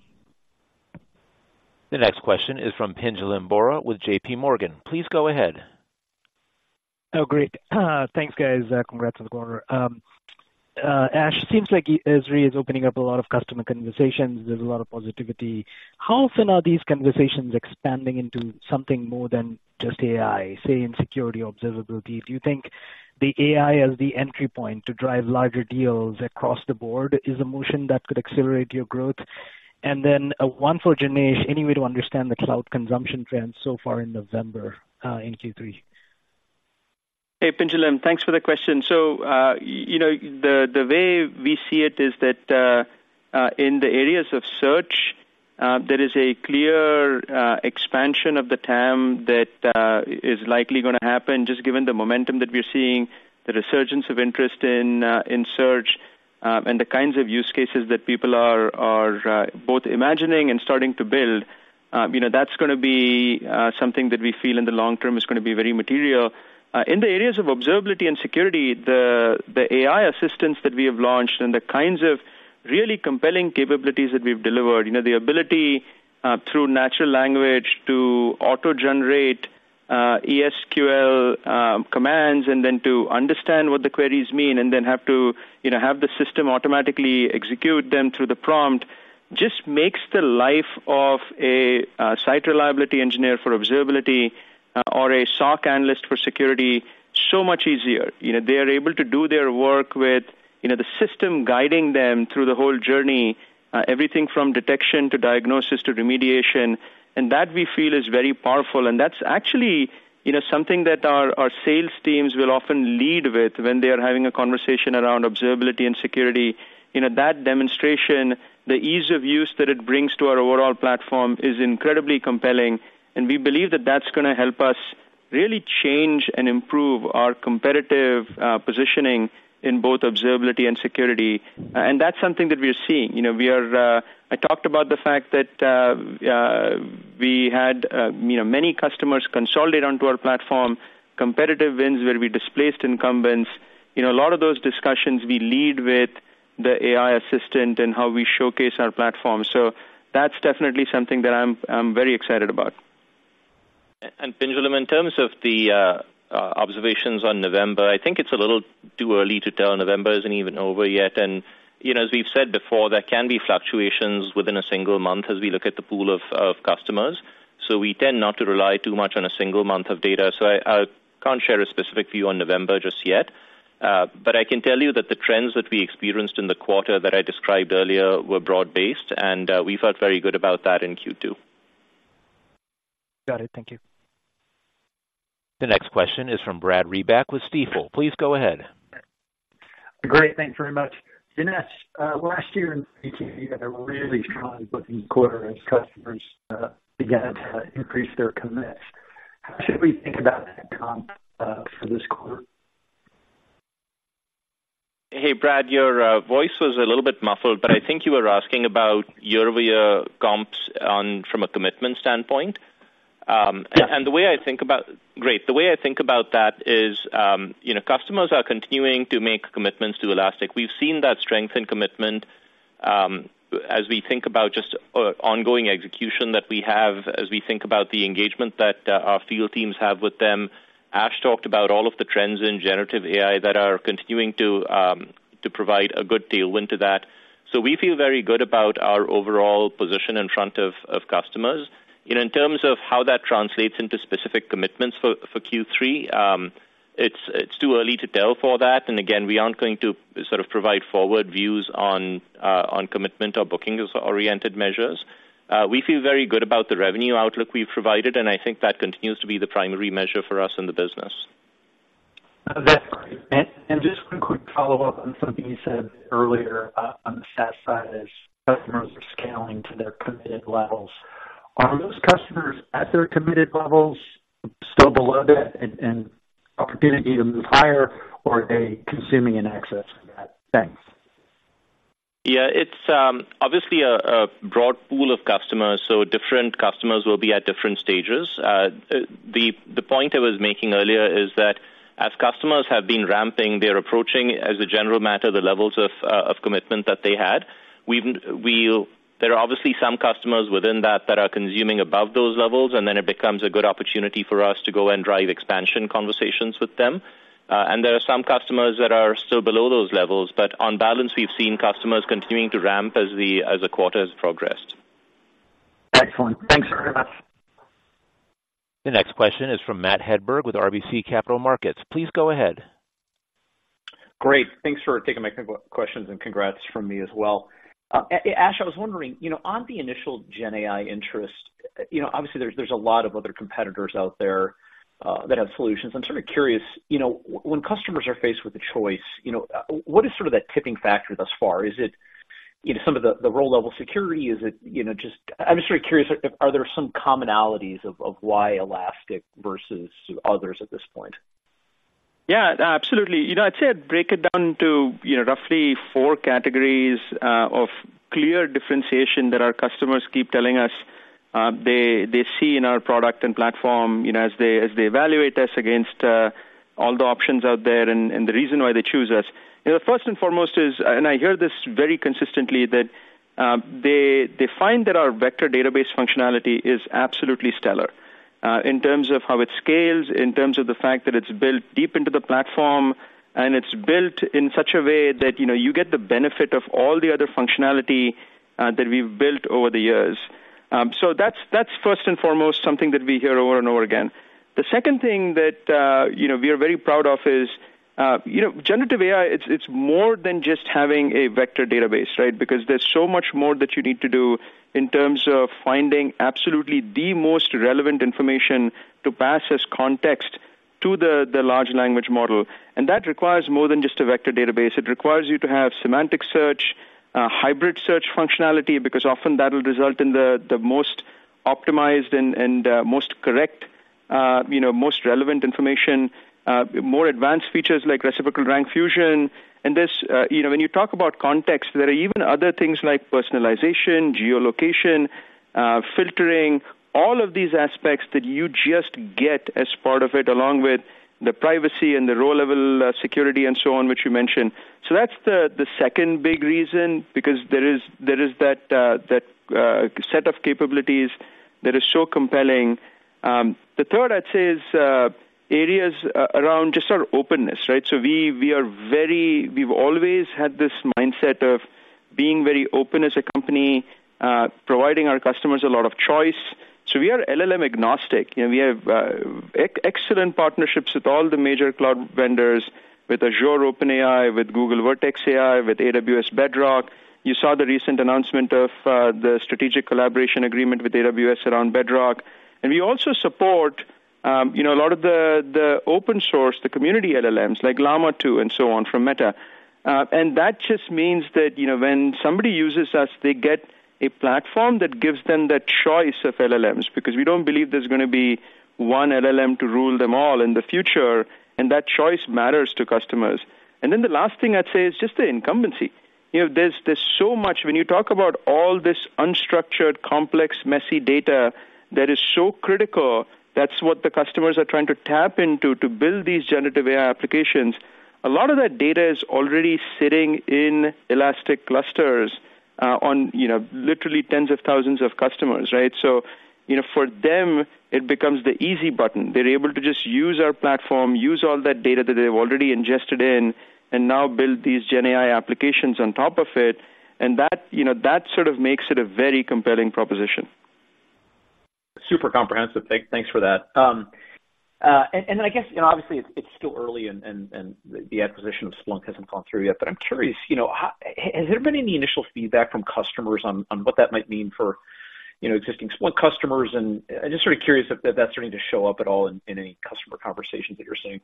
The next question is from Pinjalim Bora with JP Morgan. Please go ahead. Oh, great. Thanks, guys. Congrats on the quarter. Ash, seems like Elastic is opening up a lot of customer conversations. There's a lot of positivity. How often are these conversations expanding into something more than just AI, say, in security observability? Do you think the AI as the entry point to drive larger deals across the board is a motion that could accelerate your growth? And then, one for Janesh: Any way to understand the cloud consumption trends so far in November, in Q3? Hey, Pinjalim, thanks for the question. So, you know, the way we see it is that, in the areas of search, there is a clear expansion of the TAM that is likely gonna happen, just given the momentum that we're seeing, the resurgence of interest in, in search, and the kinds of use cases that people are both imagining and starting to build. You know, that's gonna be something that we feel in the long term is gonna be very material. In the areas of observability and security, the AI assistance that we have launched and the kinds of really compelling capabilities that we've delivered, you know, the ability through natural language to auto-generate-... ESQL commands, and then to understand what the queries mean, and then have to, you know, have the system automatically execute them through the prompt, just makes the life of a site reliability engineer for observability or a SOC analyst for security so much easier. You know, they are able to do their work with, you know, the system guiding them through the whole journey, everything from detection to diagnosis to remediation, and that, we feel, is very powerful. And that's actually, you know, something that our, our sales teams will often lead with when they are having a conversation around observability and security. You know, that demonstration, the ease of use that it brings to our overall platform is incredibly compelling, and we believe that that's gonna help us really change and improve our competitive positioning in both observability and security. And that's something that we are seeing. You know, we are. I talked about the fact that we had, you know, many customers consolidate onto our platform, competitive wins, where we displaced incumbents. You know, a lot of those discussions, we lead with the AI assistant and how we showcase our platform, so that's definitely something that I'm, I'm very excited about. Pinjalim, in terms of the observations on November, I think it's a little too early to tell. November isn't even over yet, and, you know, as we've said before, there can be fluctuations within a single month as we look at the pool of customers, so we tend not to rely too much on a single month of data. So I can't share a specific view on November just yet, but I can tell you that the trends that we experienced in the quarter that I described earlier were broad-based, and we felt very good about that in Q2. Got it. Thank you. The next question is from Brad Reback with Stifel. Please go ahead. Great. Thanks very much. Dinesh, last year in Q3, you had a really strong booking quarter as customers began to increase their commits. How should we think about that comp for this quarter? Hey, Brad, your voice was a little bit muffled, but I think you were asking about year-over-year comps on, from a commitment standpoint. Yeah. Great. The way I think about that is, you know, customers are continuing to make commitments to Elastic. We've seen that strength and commitment, as we think about just, ongoing execution that we have, as we think about the engagement that, our field teams have with them. Ash talked about all of the trends in Generative AI that are continuing to, to provide a good tailwind to that. So we feel very good about our overall position in front of, of customers. You know, in terms of how that translates into specific commitments for, for Q3, it's, it's too early to tell for that, and again, we aren't going to sort of provide forward views on, on commitment or bookings-oriented measures. We feel very good about the revenue outlook we've provided, and I think that continues to be the primary measure for us in the business. That's great. Just one quick follow-up on something you said earlier, on the SaaS side, as customers are scaling to their committed levels. Are those customers at their committed levels still below that and opportunity to move higher, or are they consuming in excess of that? Thanks. Yeah, it's obviously a broad pool of customers, so different customers will be at different stages. The point I was making earlier is that as customers have been ramping, they're approaching, as a general matter, the levels of commitment that they had. There are obviously some customers within that that are consuming above those levels, and then it becomes a good opportunity for us to go and drive expansion conversations with them. And there are some customers that are still below those levels, but on balance, we've seen customers continuing to ramp as the quarter has progressed. Excellent. Thanks very much. The next question is from Matt Hedberg with RBC Capital Markets. Please go ahead. Great. Thanks for taking my questions, and congrats from me as well. Ash, I was wondering, you know, on the initial Gen AI interest, you know, obviously there's, there's a lot of other competitors out there that have solutions. I'm sort of curious, you know, when customers are faced with a choice, you know, what is sort of that tipping factor thus far? Is it, you know, some of the, the role-level security? Is it, you know, just... I'm just sort of curious, are there some commonalities of, of why Elastic versus others at this point? Yeah, absolutely. You know, I'd say I'd break it down to, you know, roughly four categories of clear differentiation that our customers keep telling us they, they see in our product and platform, you know, as they, as they evaluate us against all the options out there and the reason why they choose us. You know, first and foremost is, and I hear this very consistently, that they, they find that our vector database functionality is absolutely stellar in terms of how it scales, in terms of the fact that it's built deep into the platform, and it's built in such a way that, you know, you get the benefit of all the other functionality that we've built over the years. So that's first and foremost something that we hear over and over again. The second thing that, you know, we are very proud of is, you know, Generative AI, it's more than just having a vector database, right? Because there's so much more that you need to do in terms of finding absolutely the most relevant information to pass as context to the large language model, and that requires more than just a vector database. It requires you to have semantic search, hybrid search functionality, because often that'll result in the most optimized and most correct, you know, most relevant information, more advanced features like reciprocal rank fusion. And there's, you know, when you talk about context, there are even other things like personalization, geolocation, filtering, all of these aspects that you just get as part of it, along with-... the privacy and the row-level security and so on, which you mentioned. So that's the second big reason, because there is that set of capabilities that is so compelling. The third, I'd say, is areas around just our openness, right? So we are very—we've always had this mindset of being very open as a company, providing our customers a lot of choice. So we are LLM agnostic, and we have excellent partnerships with all the major cloud vendors, with Azure OpenAI, with Google Vertex AI, with AWS Bedrock. You saw the recent announcement of the strategic collaboration agreement with AWS around Bedrock. And we also support, you know, a lot of the open source, the community LLMs, like Llama 2 and so on from Meta. And that just means that, you know, when somebody uses us, they get a platform that gives them the choice of LLMs, because we don't believe there's gonna be one LLM to rule them all in the future, and that choice matters to customers. And then the last thing I'd say is just the incumbency. You know, there's so much... When you talk about all this unstructured, complex, messy data that is so critical, that's what the customers are trying to tap into to build these Generative AI applications. A lot of that data is already sitting in Elastic clusters, on, you know, literally tens of thousands of customers, right? So, you know, for them, it becomes the easy button. They're able to just use our platform, use all that data that they've already ingested in, and now build these GenAI applications on top of it, and that, you know, that sort of makes it a very compelling proposition. Super comprehensive. Thanks for that. And I guess, you know, obviously it's still early and the acquisition of Splunk hasn't gone through yet, but I'm curious, you know, how—has there been any initial feedback from customers on what that might mean for, you know, existing Splunk customers? And I'm just sort of curious if that's starting to show up at all in any customer conversations that you're seeing?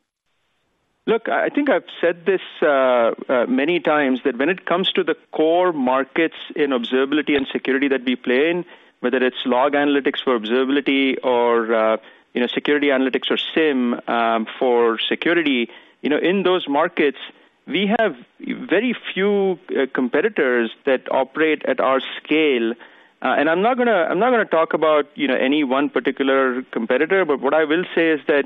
Look, I think I've said this many times, that when it comes to the core markets in observability and security that we play in, whether it's log analytics for observability or you know, security analytics or SIEM for security, you know, in those markets, we have very few competitors that operate at our scale. And I'm not gonna, I'm not gonna talk about you know, any one particular competitor, but what I will say is that,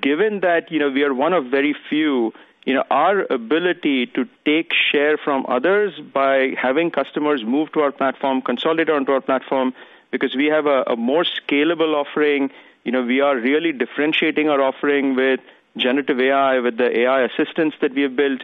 given that you know, we are one of very few you know, our ability to take share from others by having customers move to our platform, consolidate onto our platform, because we have a more scalable offering, you know, we are really differentiating our offering with Generative AI, with the AI assistants that we have built.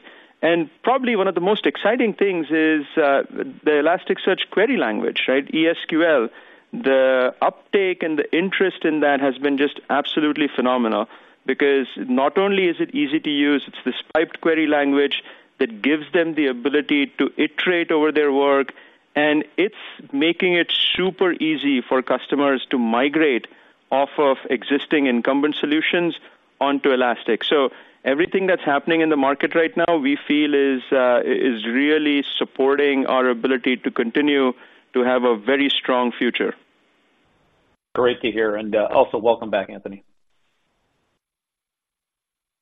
Probably one of the most exciting things is the Elasticsearch Query Language, right? ESQL. The uptake and the interest in that has been just absolutely phenomenal, because not only is it easy to use, it's this piped query language that gives them the ability to iterate over their work, and it's making it super easy for customers to migrate off of existing incumbent solutions onto Elastic. So everything that's happening in the market right now, we feel is really supporting our ability to continue to have a very strong future. Great to hear, and also welcome back, Anthony.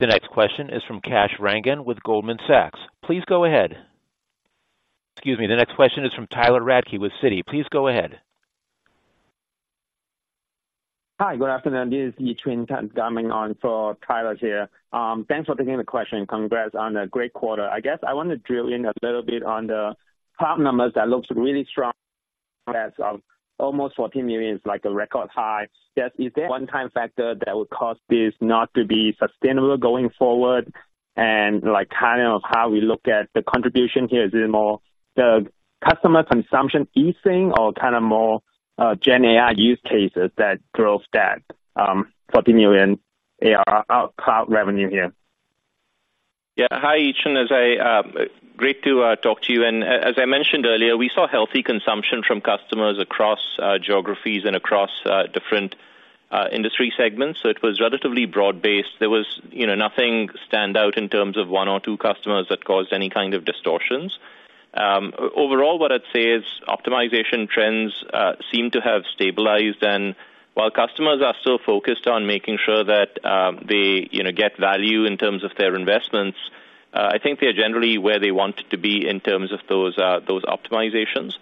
The next question is from Kash Rangan with Goldman Sachs. Please go ahead. Excuse me. The next question is from Tyler Radke with Citi. Please go ahead. Hi, good afternoon. This is Yichun coming on for Tyler here. Thanks for taking the question. Congrats on a great quarter. I guess I want to drill in a little bit on the cloud numbers. That looks really strong. That's almost $14 million, it's like a record high. Just, is there a one-time factor that would cause this not to be sustainable going forward? And, like, kind of how we look at the contribution here, is it more the customer consumption easing or kind of more GenAI use cases that drove that $14 million AI cloud revenue here? Yeah. Hi, Yichun, as I... Great to talk to you. And as I mentioned earlier, we saw healthy consumption from customers across geographies and across different industry segments, so it was relatively broad-based. There was, you know, nothing stand out in terms of one or two customers that caused any kind of distortions. Overall, what I'd say is optimization trends seem to have stabilized. And while customers are still focused on making sure that they, you know, get value in terms of their investments, I think they're generally where they want it to be in terms of those optimizations.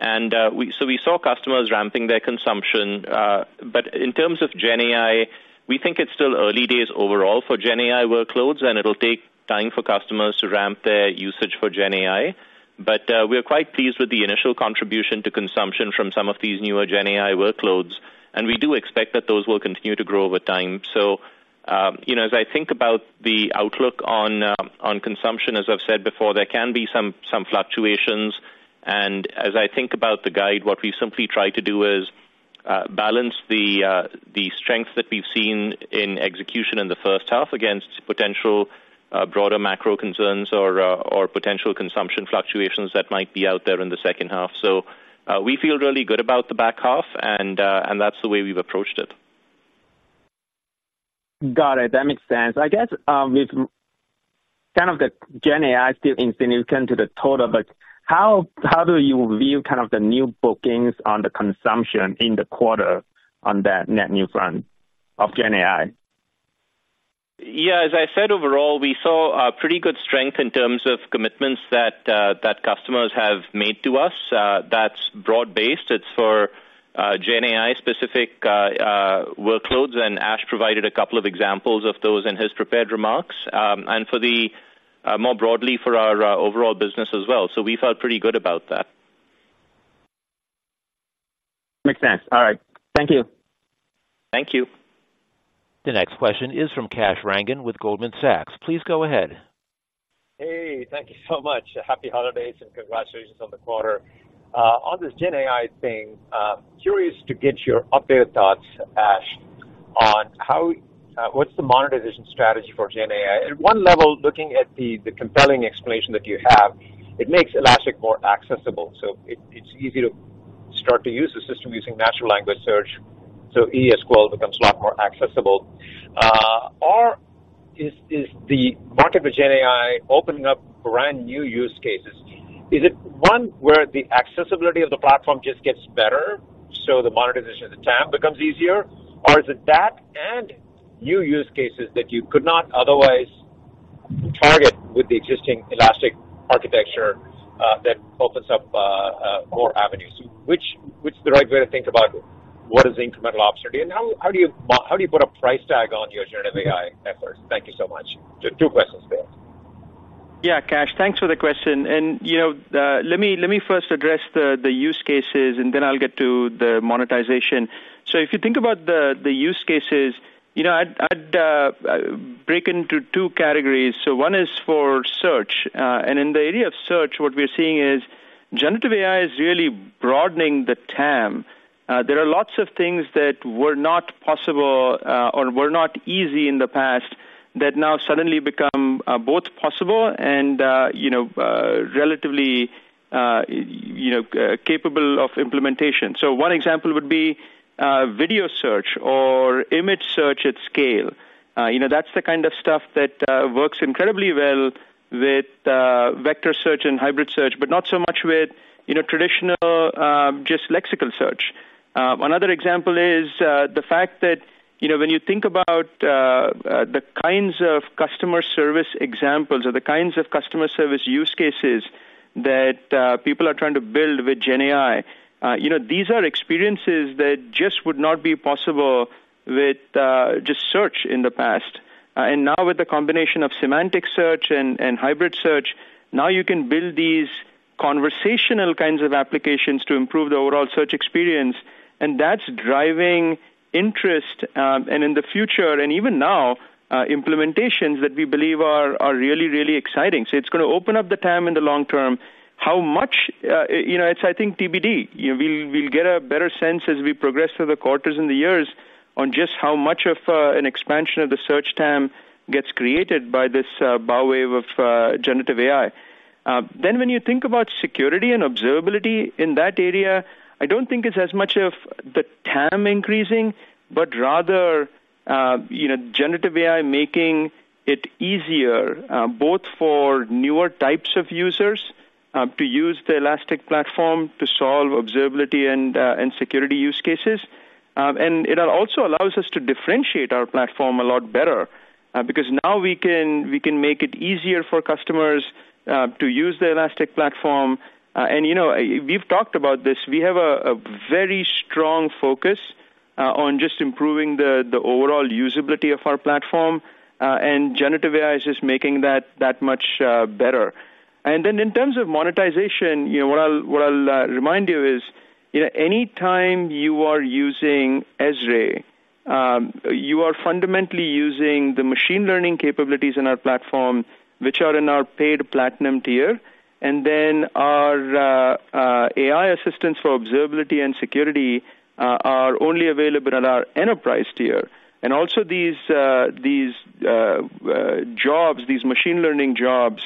And so we saw customers ramping their consumption, but in terms of GenAI, we think it's still early days overall for GenAI workloads, and it'll take time for customers to ramp their usage for GenAI. But, we are quite pleased with the initial contribution to consumption from some of these newer GenAI workloads, and we do expect that those will continue to grow over time. So, you know, as I think about the outlook on, on consumption, as I've said before, there can be some, some fluctuations. And as I think about the guide, what we simply try to do is, balance the, the strength that we've seen in execution in the first half against potential, broader macro concerns or, or potential consumption fluctuations that might be out there in the second half. So, we feel really good about the back half, and, and that's the way we've approached it. Got it. That makes sense. I guess, with kind of the GenAI still insignificant to the total, but how, how do you view kind of the new bookings on the consumption in the quarter on that net new front of GenAI? Yeah, as I said, overall, we saw a pretty good strength in terms of commitments that customers have made to us. That's broad-based. Gen AI specific workloads, and Ash provided a couple of examples of those in his prepared remarks, and more broadly for our overall business as well. So we felt pretty good about that. Makes sense. All right. Thank you. Thank you. The next question is from Kash Rangan with Goldman Sachs. Please go ahead. Hey, thank you so much. Happy holidays, and congratulations on the quarter. On this GenAI thing, curious to get your updated thoughts, Ash, on how, what's the monetization strategy for GenAI? At one level, looking at the compelling explanation that you have, it makes Elastic more accessible, so it's easy to start to use the system using natural language search, so ES SQL becomes a lot more accessible. Or is the market for GenAI opening up brand new use cases? Is it one where the accessibility of the platform just gets better, so the monetization of the TAM becomes easier, or is it that and new use cases that you could not otherwise target with the existing Elastic architecture, that opens up more avenues? Which, what's the right way to think about what is the incremental opportunity, and how do you put a price tag on your Generative AI efforts? Thank you so much. So two questions there. Yeah, Kash, thanks for the question. And, you know, let me first address the use cases, and then I'll get to the monetization. So if you think about the use cases, you know, I'd break into two categories. So one is for search, and in the area of search, what we are seeing is Generative AI is really broadening the TAM. There are lots of things that were not possible or were not easy in the past that now suddenly become both possible and, you know, relatively, you know, capable of implementation. So one example would be video search or image search at scale. You know, that's the kind of stuff that works incredibly well with vector search and hybrid search, but not so much with, you know, traditional just lexical search. Another example is the fact that, you know, when you think about the kinds of customer service examples or the kinds of customer service use cases that people are trying to build with GenAI, you know, these are experiences that just would not be possible with just search in the past. And now with the combination of semantic search and hybrid search, now you can build these conversational kinds of applications to improve the overall search experience, and that's driving interest and in the future, and even now implementations that we believe are really, really exciting. So it's gonna open up the TAM in the long term. How much? You know, it's, I think, TBD. We'll get a better sense as we progress through the quarters and the years on just how much of an expansion of the search TAM gets created by this bow wave of Generative AI. Then when you think about security and observability in that area, I don't think it's as much of the TAM increasing, but rather, you know, Generative AI making it easier both for newer types of users to use the Elastic platform to solve observability and security use cases. And it also allows us to differentiate our platform a lot better because now we can make it easier for customers to use the Elastic platform. And, you know, we've talked about this. We have a very strong focus on just improving the overall usability of our platform, and Generative AI is just making that much better. And then in terms of monetization, you know, what I'll remind you is, you know, any time you are using ESRE, you are fundamentally using the machine learning capabilities in our platform, which are in our paid Platinum tier, and then our AI assistants for observability and security are only available at our Enterprise tier. And also, these machine learning jobs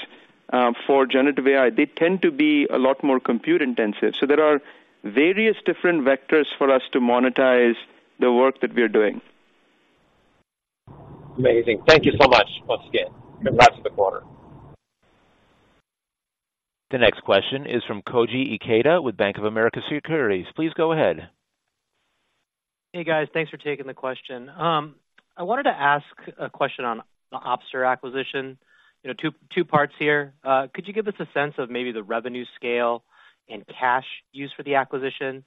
for Generative AI, they tend to be a lot more compute intensive. So there are various different vectors for us to monetize the work that we are doing. Amazing. Thank you so much once again. Congrats on the quarter. The next question is from Koji Ikeda with Bank of America Securities. Please go ahead. Hey, guys. Thanks for taking the question. I wanted to ask a question on the Opster acquisition. You know, two, two parts here. Could you give us a sense of maybe the revenue scale and cash use for the acquisition?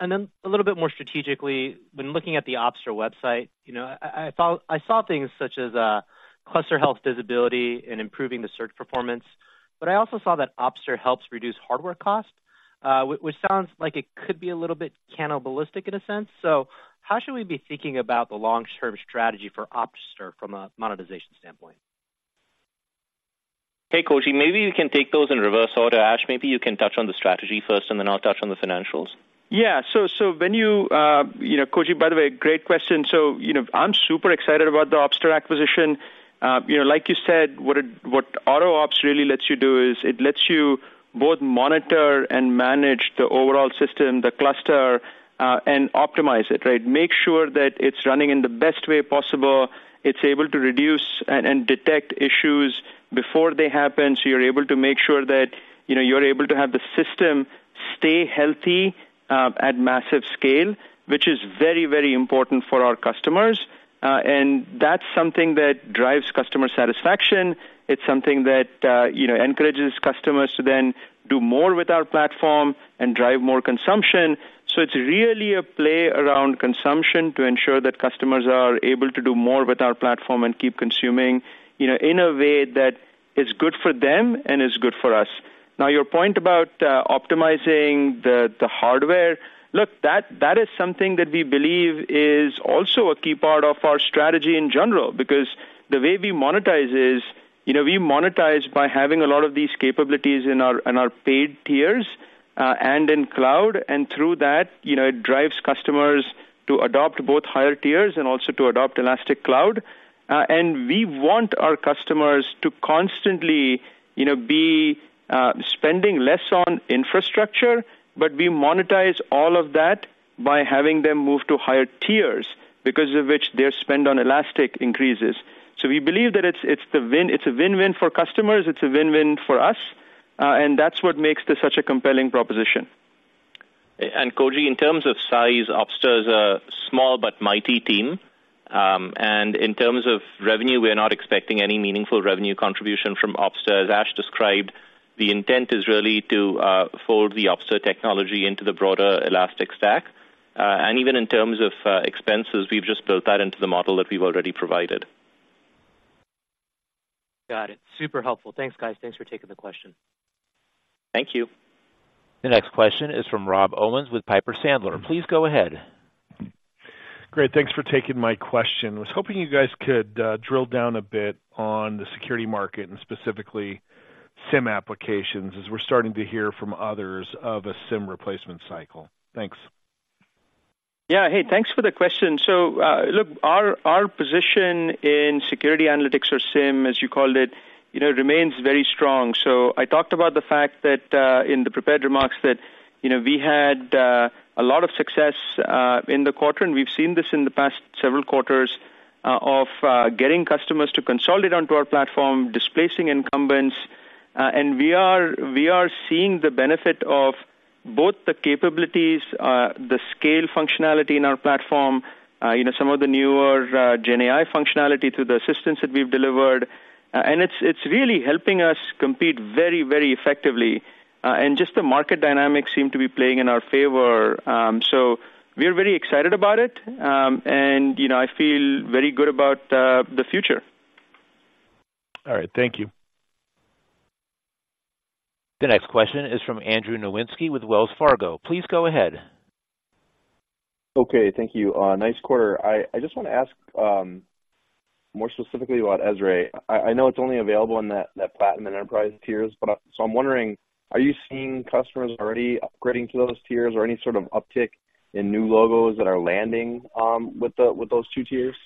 And then a little bit more strategically, when looking at the Opster website, you know, I saw things such as cluster health visibility and improving the search performance, but I also saw that Opster helps reduce hardware cost, which sounds like it could be a little bit cannibalistic in a sense. So how should we be thinking about the long-term strategy for Opster from a monetization standpoint? Hey, Koji, maybe you can take those in reverse order. Ash, maybe you can touch on the strategy first, and then I'll touch on the financials. Yeah. So when you, You know, Koji, by the way, great question. So, you know, I'm super excited about the Opster acquisition. You know, like you said, what AutoOps really lets you do is it lets you both monitor and manage the overall system, the cluster, and optimize it, right? Make sure that it's running in the best way possible. It's able to reduce and detect issues before they happen, so you're able to make sure that, you know, you're able to have the system stay healthy, at massive scale, which is very, very important for our customers.... and that's something that drives customer satisfaction. It's something that, you know, encourages customers to then do more with our platform and drive more consumption. So it's really a play around consumption to ensure that customers are able to do more with our platform and keep consuming, you know, in a way that is good for them and is good for us. Now, your point about optimizing the hardware, look, that is something that we believe is also a key part of our strategy in general, because the way we monetize is, you know, we monetize by having a lot of these capabilities in our paid tiers, and in cloud, and through that, you know, it drives customers to adopt both higher tiers and also to adopt Elastic Cloud. And we want our customers to constantly, you know, be spending less on infrastructure, but we monetize all of that by having them move to higher tiers, because of which their spend on Elastic increases. So we believe that it's a win-win for customers, it's a win-win for us, and that's what makes this such a compelling proposition. And Koji, in terms of size, Opster is a small but mighty team. And in terms of revenue, we are not expecting any meaningful revenue contribution from Opster. As Ash described, the intent is really to fold the Opster technology into the broader Elastic Stack. And even in terms of expenses, we've just built that into the model that we've already provided. Got it. Super helpful. Thanks, guys. Thanks for taking the question. Thank you. The next question is from Rob Owens with Piper Sandler. Please go ahead. Great. Thanks for taking my question. I was hoping you guys could drill down a bit on the security market, and specifically SIEM applications, as we're starting to hear from others of a SIEM replacement cycle. Thanks. Yeah. Hey, thanks for the question. So, look, our position in security analytics or SIEM, as you called it, you know, remains very strong. So I talked about the fact that, in the prepared remarks, that, you know, we had a lot of success in the quarter, and we've seen this in the past several quarters of getting customers to consolidate onto our platform, displacing incumbents. And we are seeing the benefit of both the capabilities, the scale functionality in our platform, you know, some of the newer GenAI functionality through the assistance that we've delivered, and it's really helping us compete very, very effectively. And just the market dynamics seem to be playing in our favor. So we are very excited about it. You know, I feel very good about the future. All right. Thank you. The next question is from Andrew Nowinski with Wells Fargo. Please go ahead. Okay. Thank you. Nice quarter. I just want to ask more specifically about ESRE. I know it's only available in that Platinum Enterprise tiers, but so I'm wondering, are you seeing customers already upgrading to those tiers or any sort of uptick in new logos that are landing with those two tiers?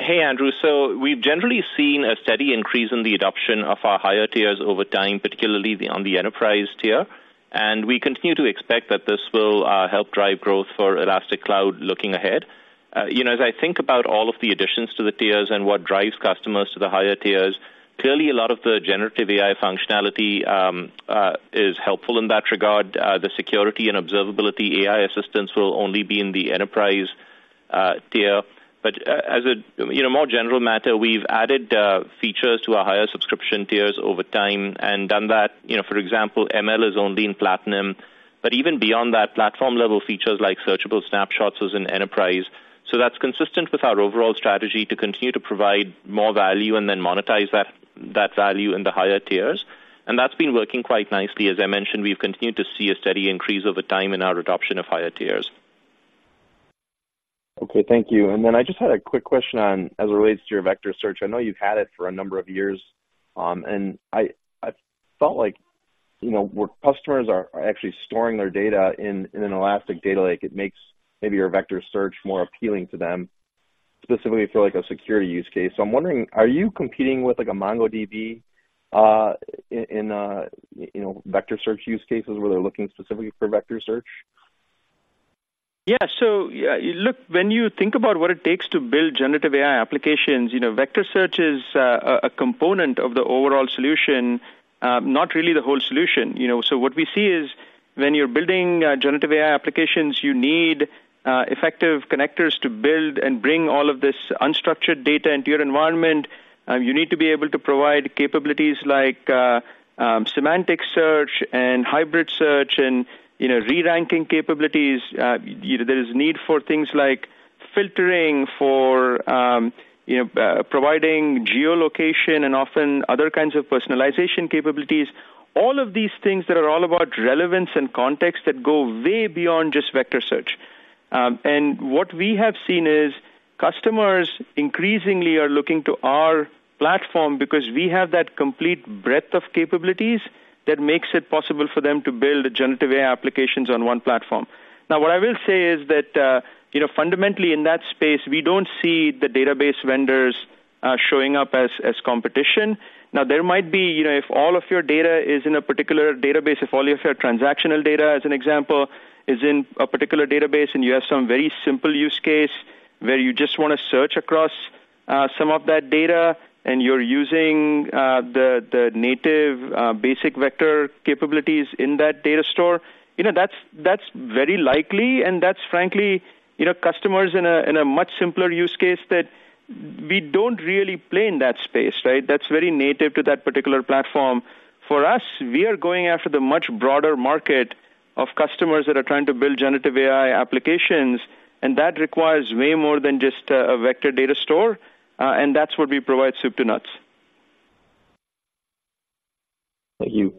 Hey, Andrew. So we've generally seen a steady increase in the adoption of our higher tiers over time, particularly the, on the enterprise tier, and we continue to expect that this will help drive growth for Elastic Cloud looking ahead. You know, as I think about all of the additions to the tiers and what drives customers to the higher tiers, clearly a lot of the Generative AI functionality is helpful in that regard. The security and observability AI assistance will only be in the enterprise tier. But as a, you know, more general matter, we've added features to our higher subscription tiers over time and done that. You know, for example, ML is only in Platinum, but even beyond that, platform-level features like searchable snapshots was in Enterprise. That's consistent with our overall strategy to continue to provide more value and then monetize that, that value in the higher tiers, and that's been working quite nicely. As I mentioned, we've continued to see a steady increase over time in our adoption of higher tiers. Okay. Thank you. And then I just had a quick question on as it relates to your vector search. I know you've had it for a number of years, and I felt like, you know, where customers are actually storing their data in an Elastic data lake, it makes maybe your vector search more appealing to them, specifically for, like, a security use case. So I'm wondering, are you competing with, like, a MongoDB in, you know, vector search use cases where they're looking specifically for vector search? Yeah. So, yeah, look, when you think about what it takes to build Generative AI applications, you know, vector search is a component of the overall solution, not really the whole solution, you know? So what we see is, when you're building Generative AI applications, you need effective connectors to build and bring all of this unstructured data into your environment. You need to be able to provide capabilities like semantic search and hybrid search and, you know, re-ranking capabilities. You know, there is need for things like filtering, for providing geolocation and often other kinds of personalization capabilities. All of these things that are all about relevance and context that go way beyond just vector search. And what we have seen is customers increasingly are looking to our platform because we have that complete breadth of capabilities that makes it possible for them to build Generative AI applications on one platform. Now, what I will say is that, you know, fundamentally in that space, we don't see the database vendors showing up as, as competition. Now, there might be... you know, if all of your data is in a particular database, if all of your transactional data, as an example, is in a particular database, and you have some very simple use case where you just want to search across-... Some of that data, and you're using the native basic vector capabilities in that data store, you know, that's very likely, and that's frankly, you know, customers in a much simpler use case that we don't really play in that space, right? That's very native to that particular platform. For us, we are going after the much broader market of customers that are trying to build Generative AI applications, and that requires way more than just a vector data store, and that's what we provide, soup to nuts. Thank you.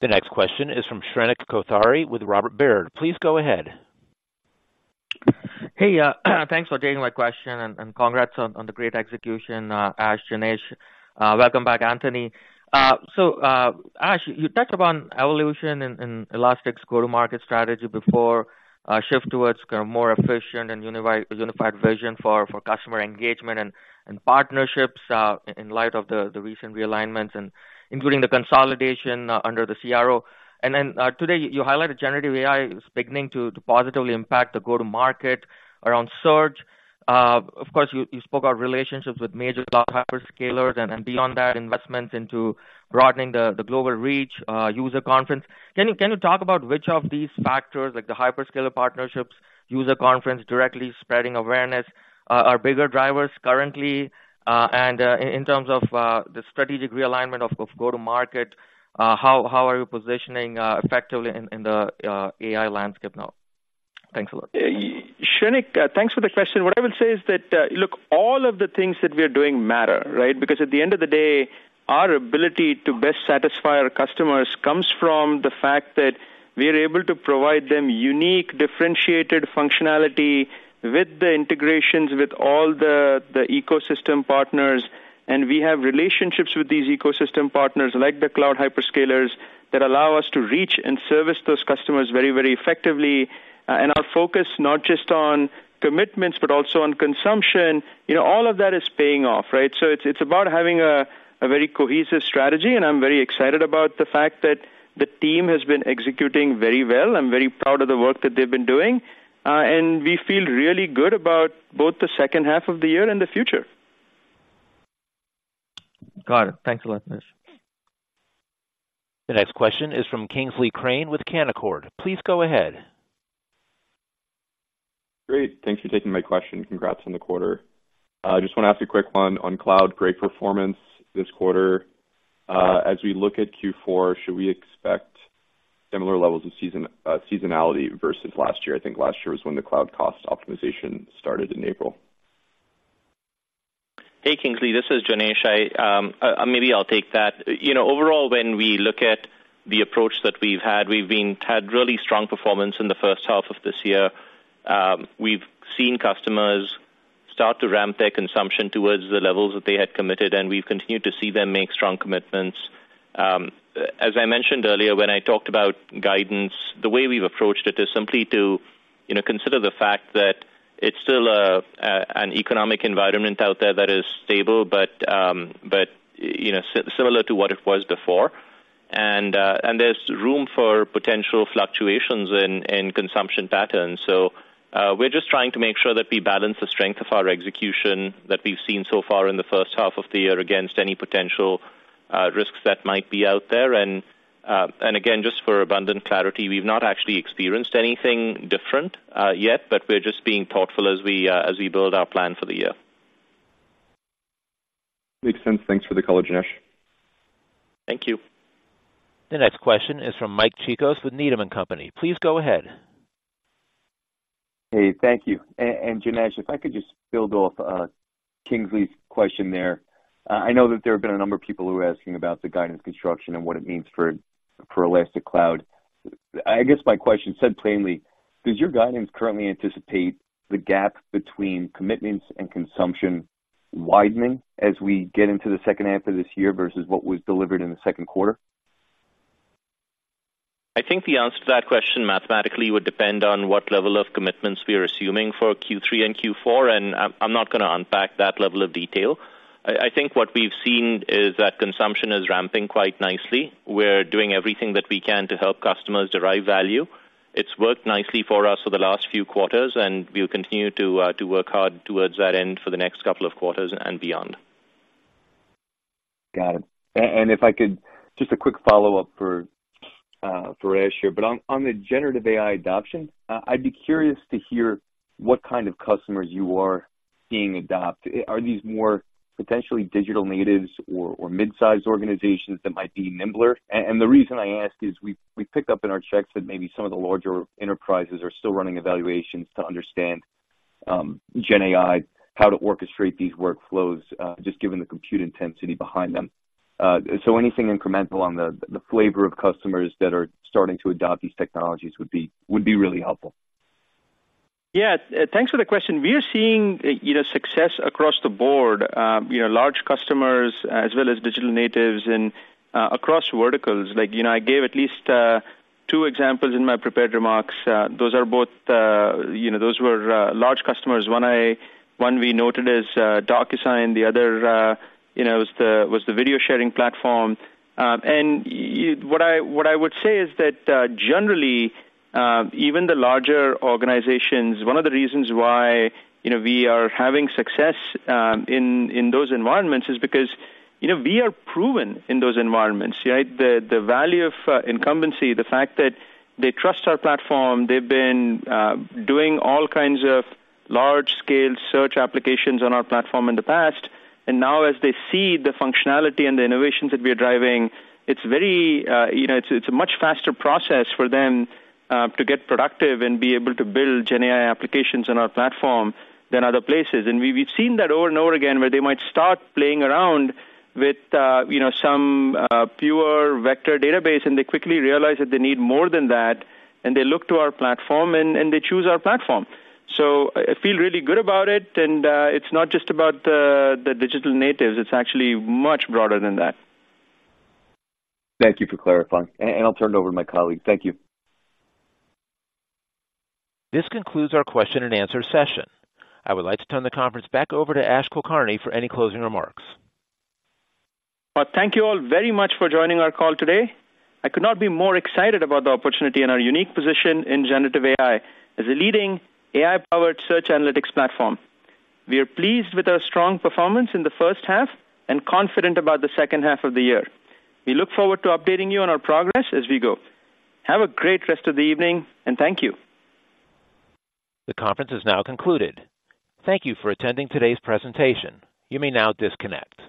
The next question is from Shrenik Kothari with Robert Baird. Please go ahead. Hey, thanks for taking my question, and congrats on the great execution, Ash, Janesh. Welcome back, Anthony. So, Ash, you talked about evolution in Elastic's go-to-market strategy before, shift towards kind of more efficient and unified vision for customer engagement and partnerships, in light of the recent realignments and including the consolidation under the CRO. And then, today, you highlighted Generative AI is beginning to positively impact the go-to-market around search. Of course, you spoke about relationships with major cloud hyperscalers and, beyond that, investments into broadening the global reach, user conference. Can you talk about which of these factors, like the hyperscaler partnerships, user conference, directly spreading awareness, are bigger drivers currently? In terms of the strategic realignment of go-to-market, how are you positioning effectively in the AI landscape now? Thanks a lot. Shrenik, thanks for the question. What I would say is that, look, all of the things that we are doing matter, right? Because at the end of the day, our ability to best satisfy our customers comes from the fact that we are able to provide them unique, differentiated functionality with the integrations with all the, the ecosystem partners, and we have relationships with these ecosystem partners, like the cloud hyperscalers, that allow us to reach and service those customers very, very effectively. And our focus, not just on commitments, but also on consumption, you know, all of that is paying off, right? So it's, it's about having a, a very cohesive strategy, and I'm very excited about the fact that the team has been executing very well. I'm very proud of the work that they've been doing, and we feel really good about both the second half of the year and the future. Got it. Thanks a lot, Nish. The next question is from Kingsley Crane with Canaccord. Please go ahead. Great. Thanks for taking my question. Congrats on the quarter. I just wanna ask a quick one on cloud. Great performance this quarter. As we look at Q4, should we expect similar levels of seasonality versus last year? I think last year was when the cloud cost optimization started in April. Hey, Kingsley, this is Janesh. I, maybe I'll take that. You know, overall, when we look at the approach that we've had, we've had really strong performance in the first half of this year. We've seen customers start to ramp their consumption towards the levels that they had committed, and we've continued to see them make strong commitments. As I mentioned earlier, when I talked about guidance, the way we've approached it is simply to, you know, consider the fact that it's still a, an economic environment out there that is stable, but, but, you know, similar to what it was before. And, and there's room for potential fluctuations in, in consumption patterns. So, we're just trying to make sure that we balance the strength of our execution that we've seen so far in the first half of the year against any potential risks that might be out there. And again, just for abundant clarity, we've not actually experienced anything different yet, but we're just being thoughtful as we build our plan for the year. Makes sense. Thanks for the color, Janesh. Thank you. The next question is from Mike Cikos with Needham and Company. Please go ahead. Hey, thank you. And Janesh, if I could just build off, Kingsley's question there. I know that there have been a number of people who are asking about the guidance construction and what it means for, for Elastic Cloud. I guess my question, said plainly, does your guidance currently anticipate the gap between commitments and consumption widening as we get into the second half of this year versus what was delivered in the second quarter? I think the answer to that question mathematically would depend on what level of commitments we are assuming for Q3 and Q4, and I'm not gonna unpack that level of detail. I think what we've seen is that consumption is ramping quite nicely. We're doing everything that we can to help customers derive value. It's worked nicely for us for the last few quarters, and we'll continue to work hard towards that end for the next couple of quarters and beyond. Got it. And if I could, just a quick follow-up for Ash here. But on the Generative AI adoption, I'd be curious to hear what kind of customers you are seeing adopt. Are these more potentially digital natives or mid-sized organizations that might be nimbler? And the reason I ask is, we've picked up in our checks that maybe some of the larger enterprises are still running evaluations to understand GenAI, how to orchestrate these workflows, just given the compute intensity behind them. So anything incremental on the flavor of customers that are starting to adopt these technologies would be really helpful. Yeah. Thanks for the question. We are seeing, you know, success across the board, large customers as well as digital natives and, across verticals. Like, you know, I gave at least two examples in my prepared remarks. Those are both, you know, those were large customers. One we noted is DocuSign, the other, you know, was the video-sharing platform. And what I, what I would say is that, generally, even the larger organizations, one of the reasons why, you know, we are having success in those environments, is because, you know, we are proven in those environments, right? The value of incumbency, the fact that they trust our platform, they've been doing all kinds of large-scale search applications on our platform in the past, and now as they see the functionality and the innovations that we are driving, it's very, you know, it's a much faster process for them to get productive and be able to build GenAI applications on our platform than other places. And we've seen that over and over again, where they might start playing around with, you know, some fewer vector database, and they quickly realize that they need more than that, and they look to our platform, and they choose our platform. So I feel really good about it, and it's not just about the digital natives, it's actually much broader than that. Thank you for clarifying. I'll turn it over to my colleague. Thank you. This concludes our question and answer session. I would like to turn the conference back over to Ash Kulkarni for any closing remarks. Thank you all very much for joining our call today. I could not be more excited about the opportunity and our unique position in Generative AI as a leading AI-powered search analytics platform. We are pleased with our strong performance in the first half and confident about the second half of the year. We look forward to updating you on our progress as we go. Have a great rest of the evening, and thank you. The conference is now concluded. Thank you for attending today's presentation. You may now disconnect.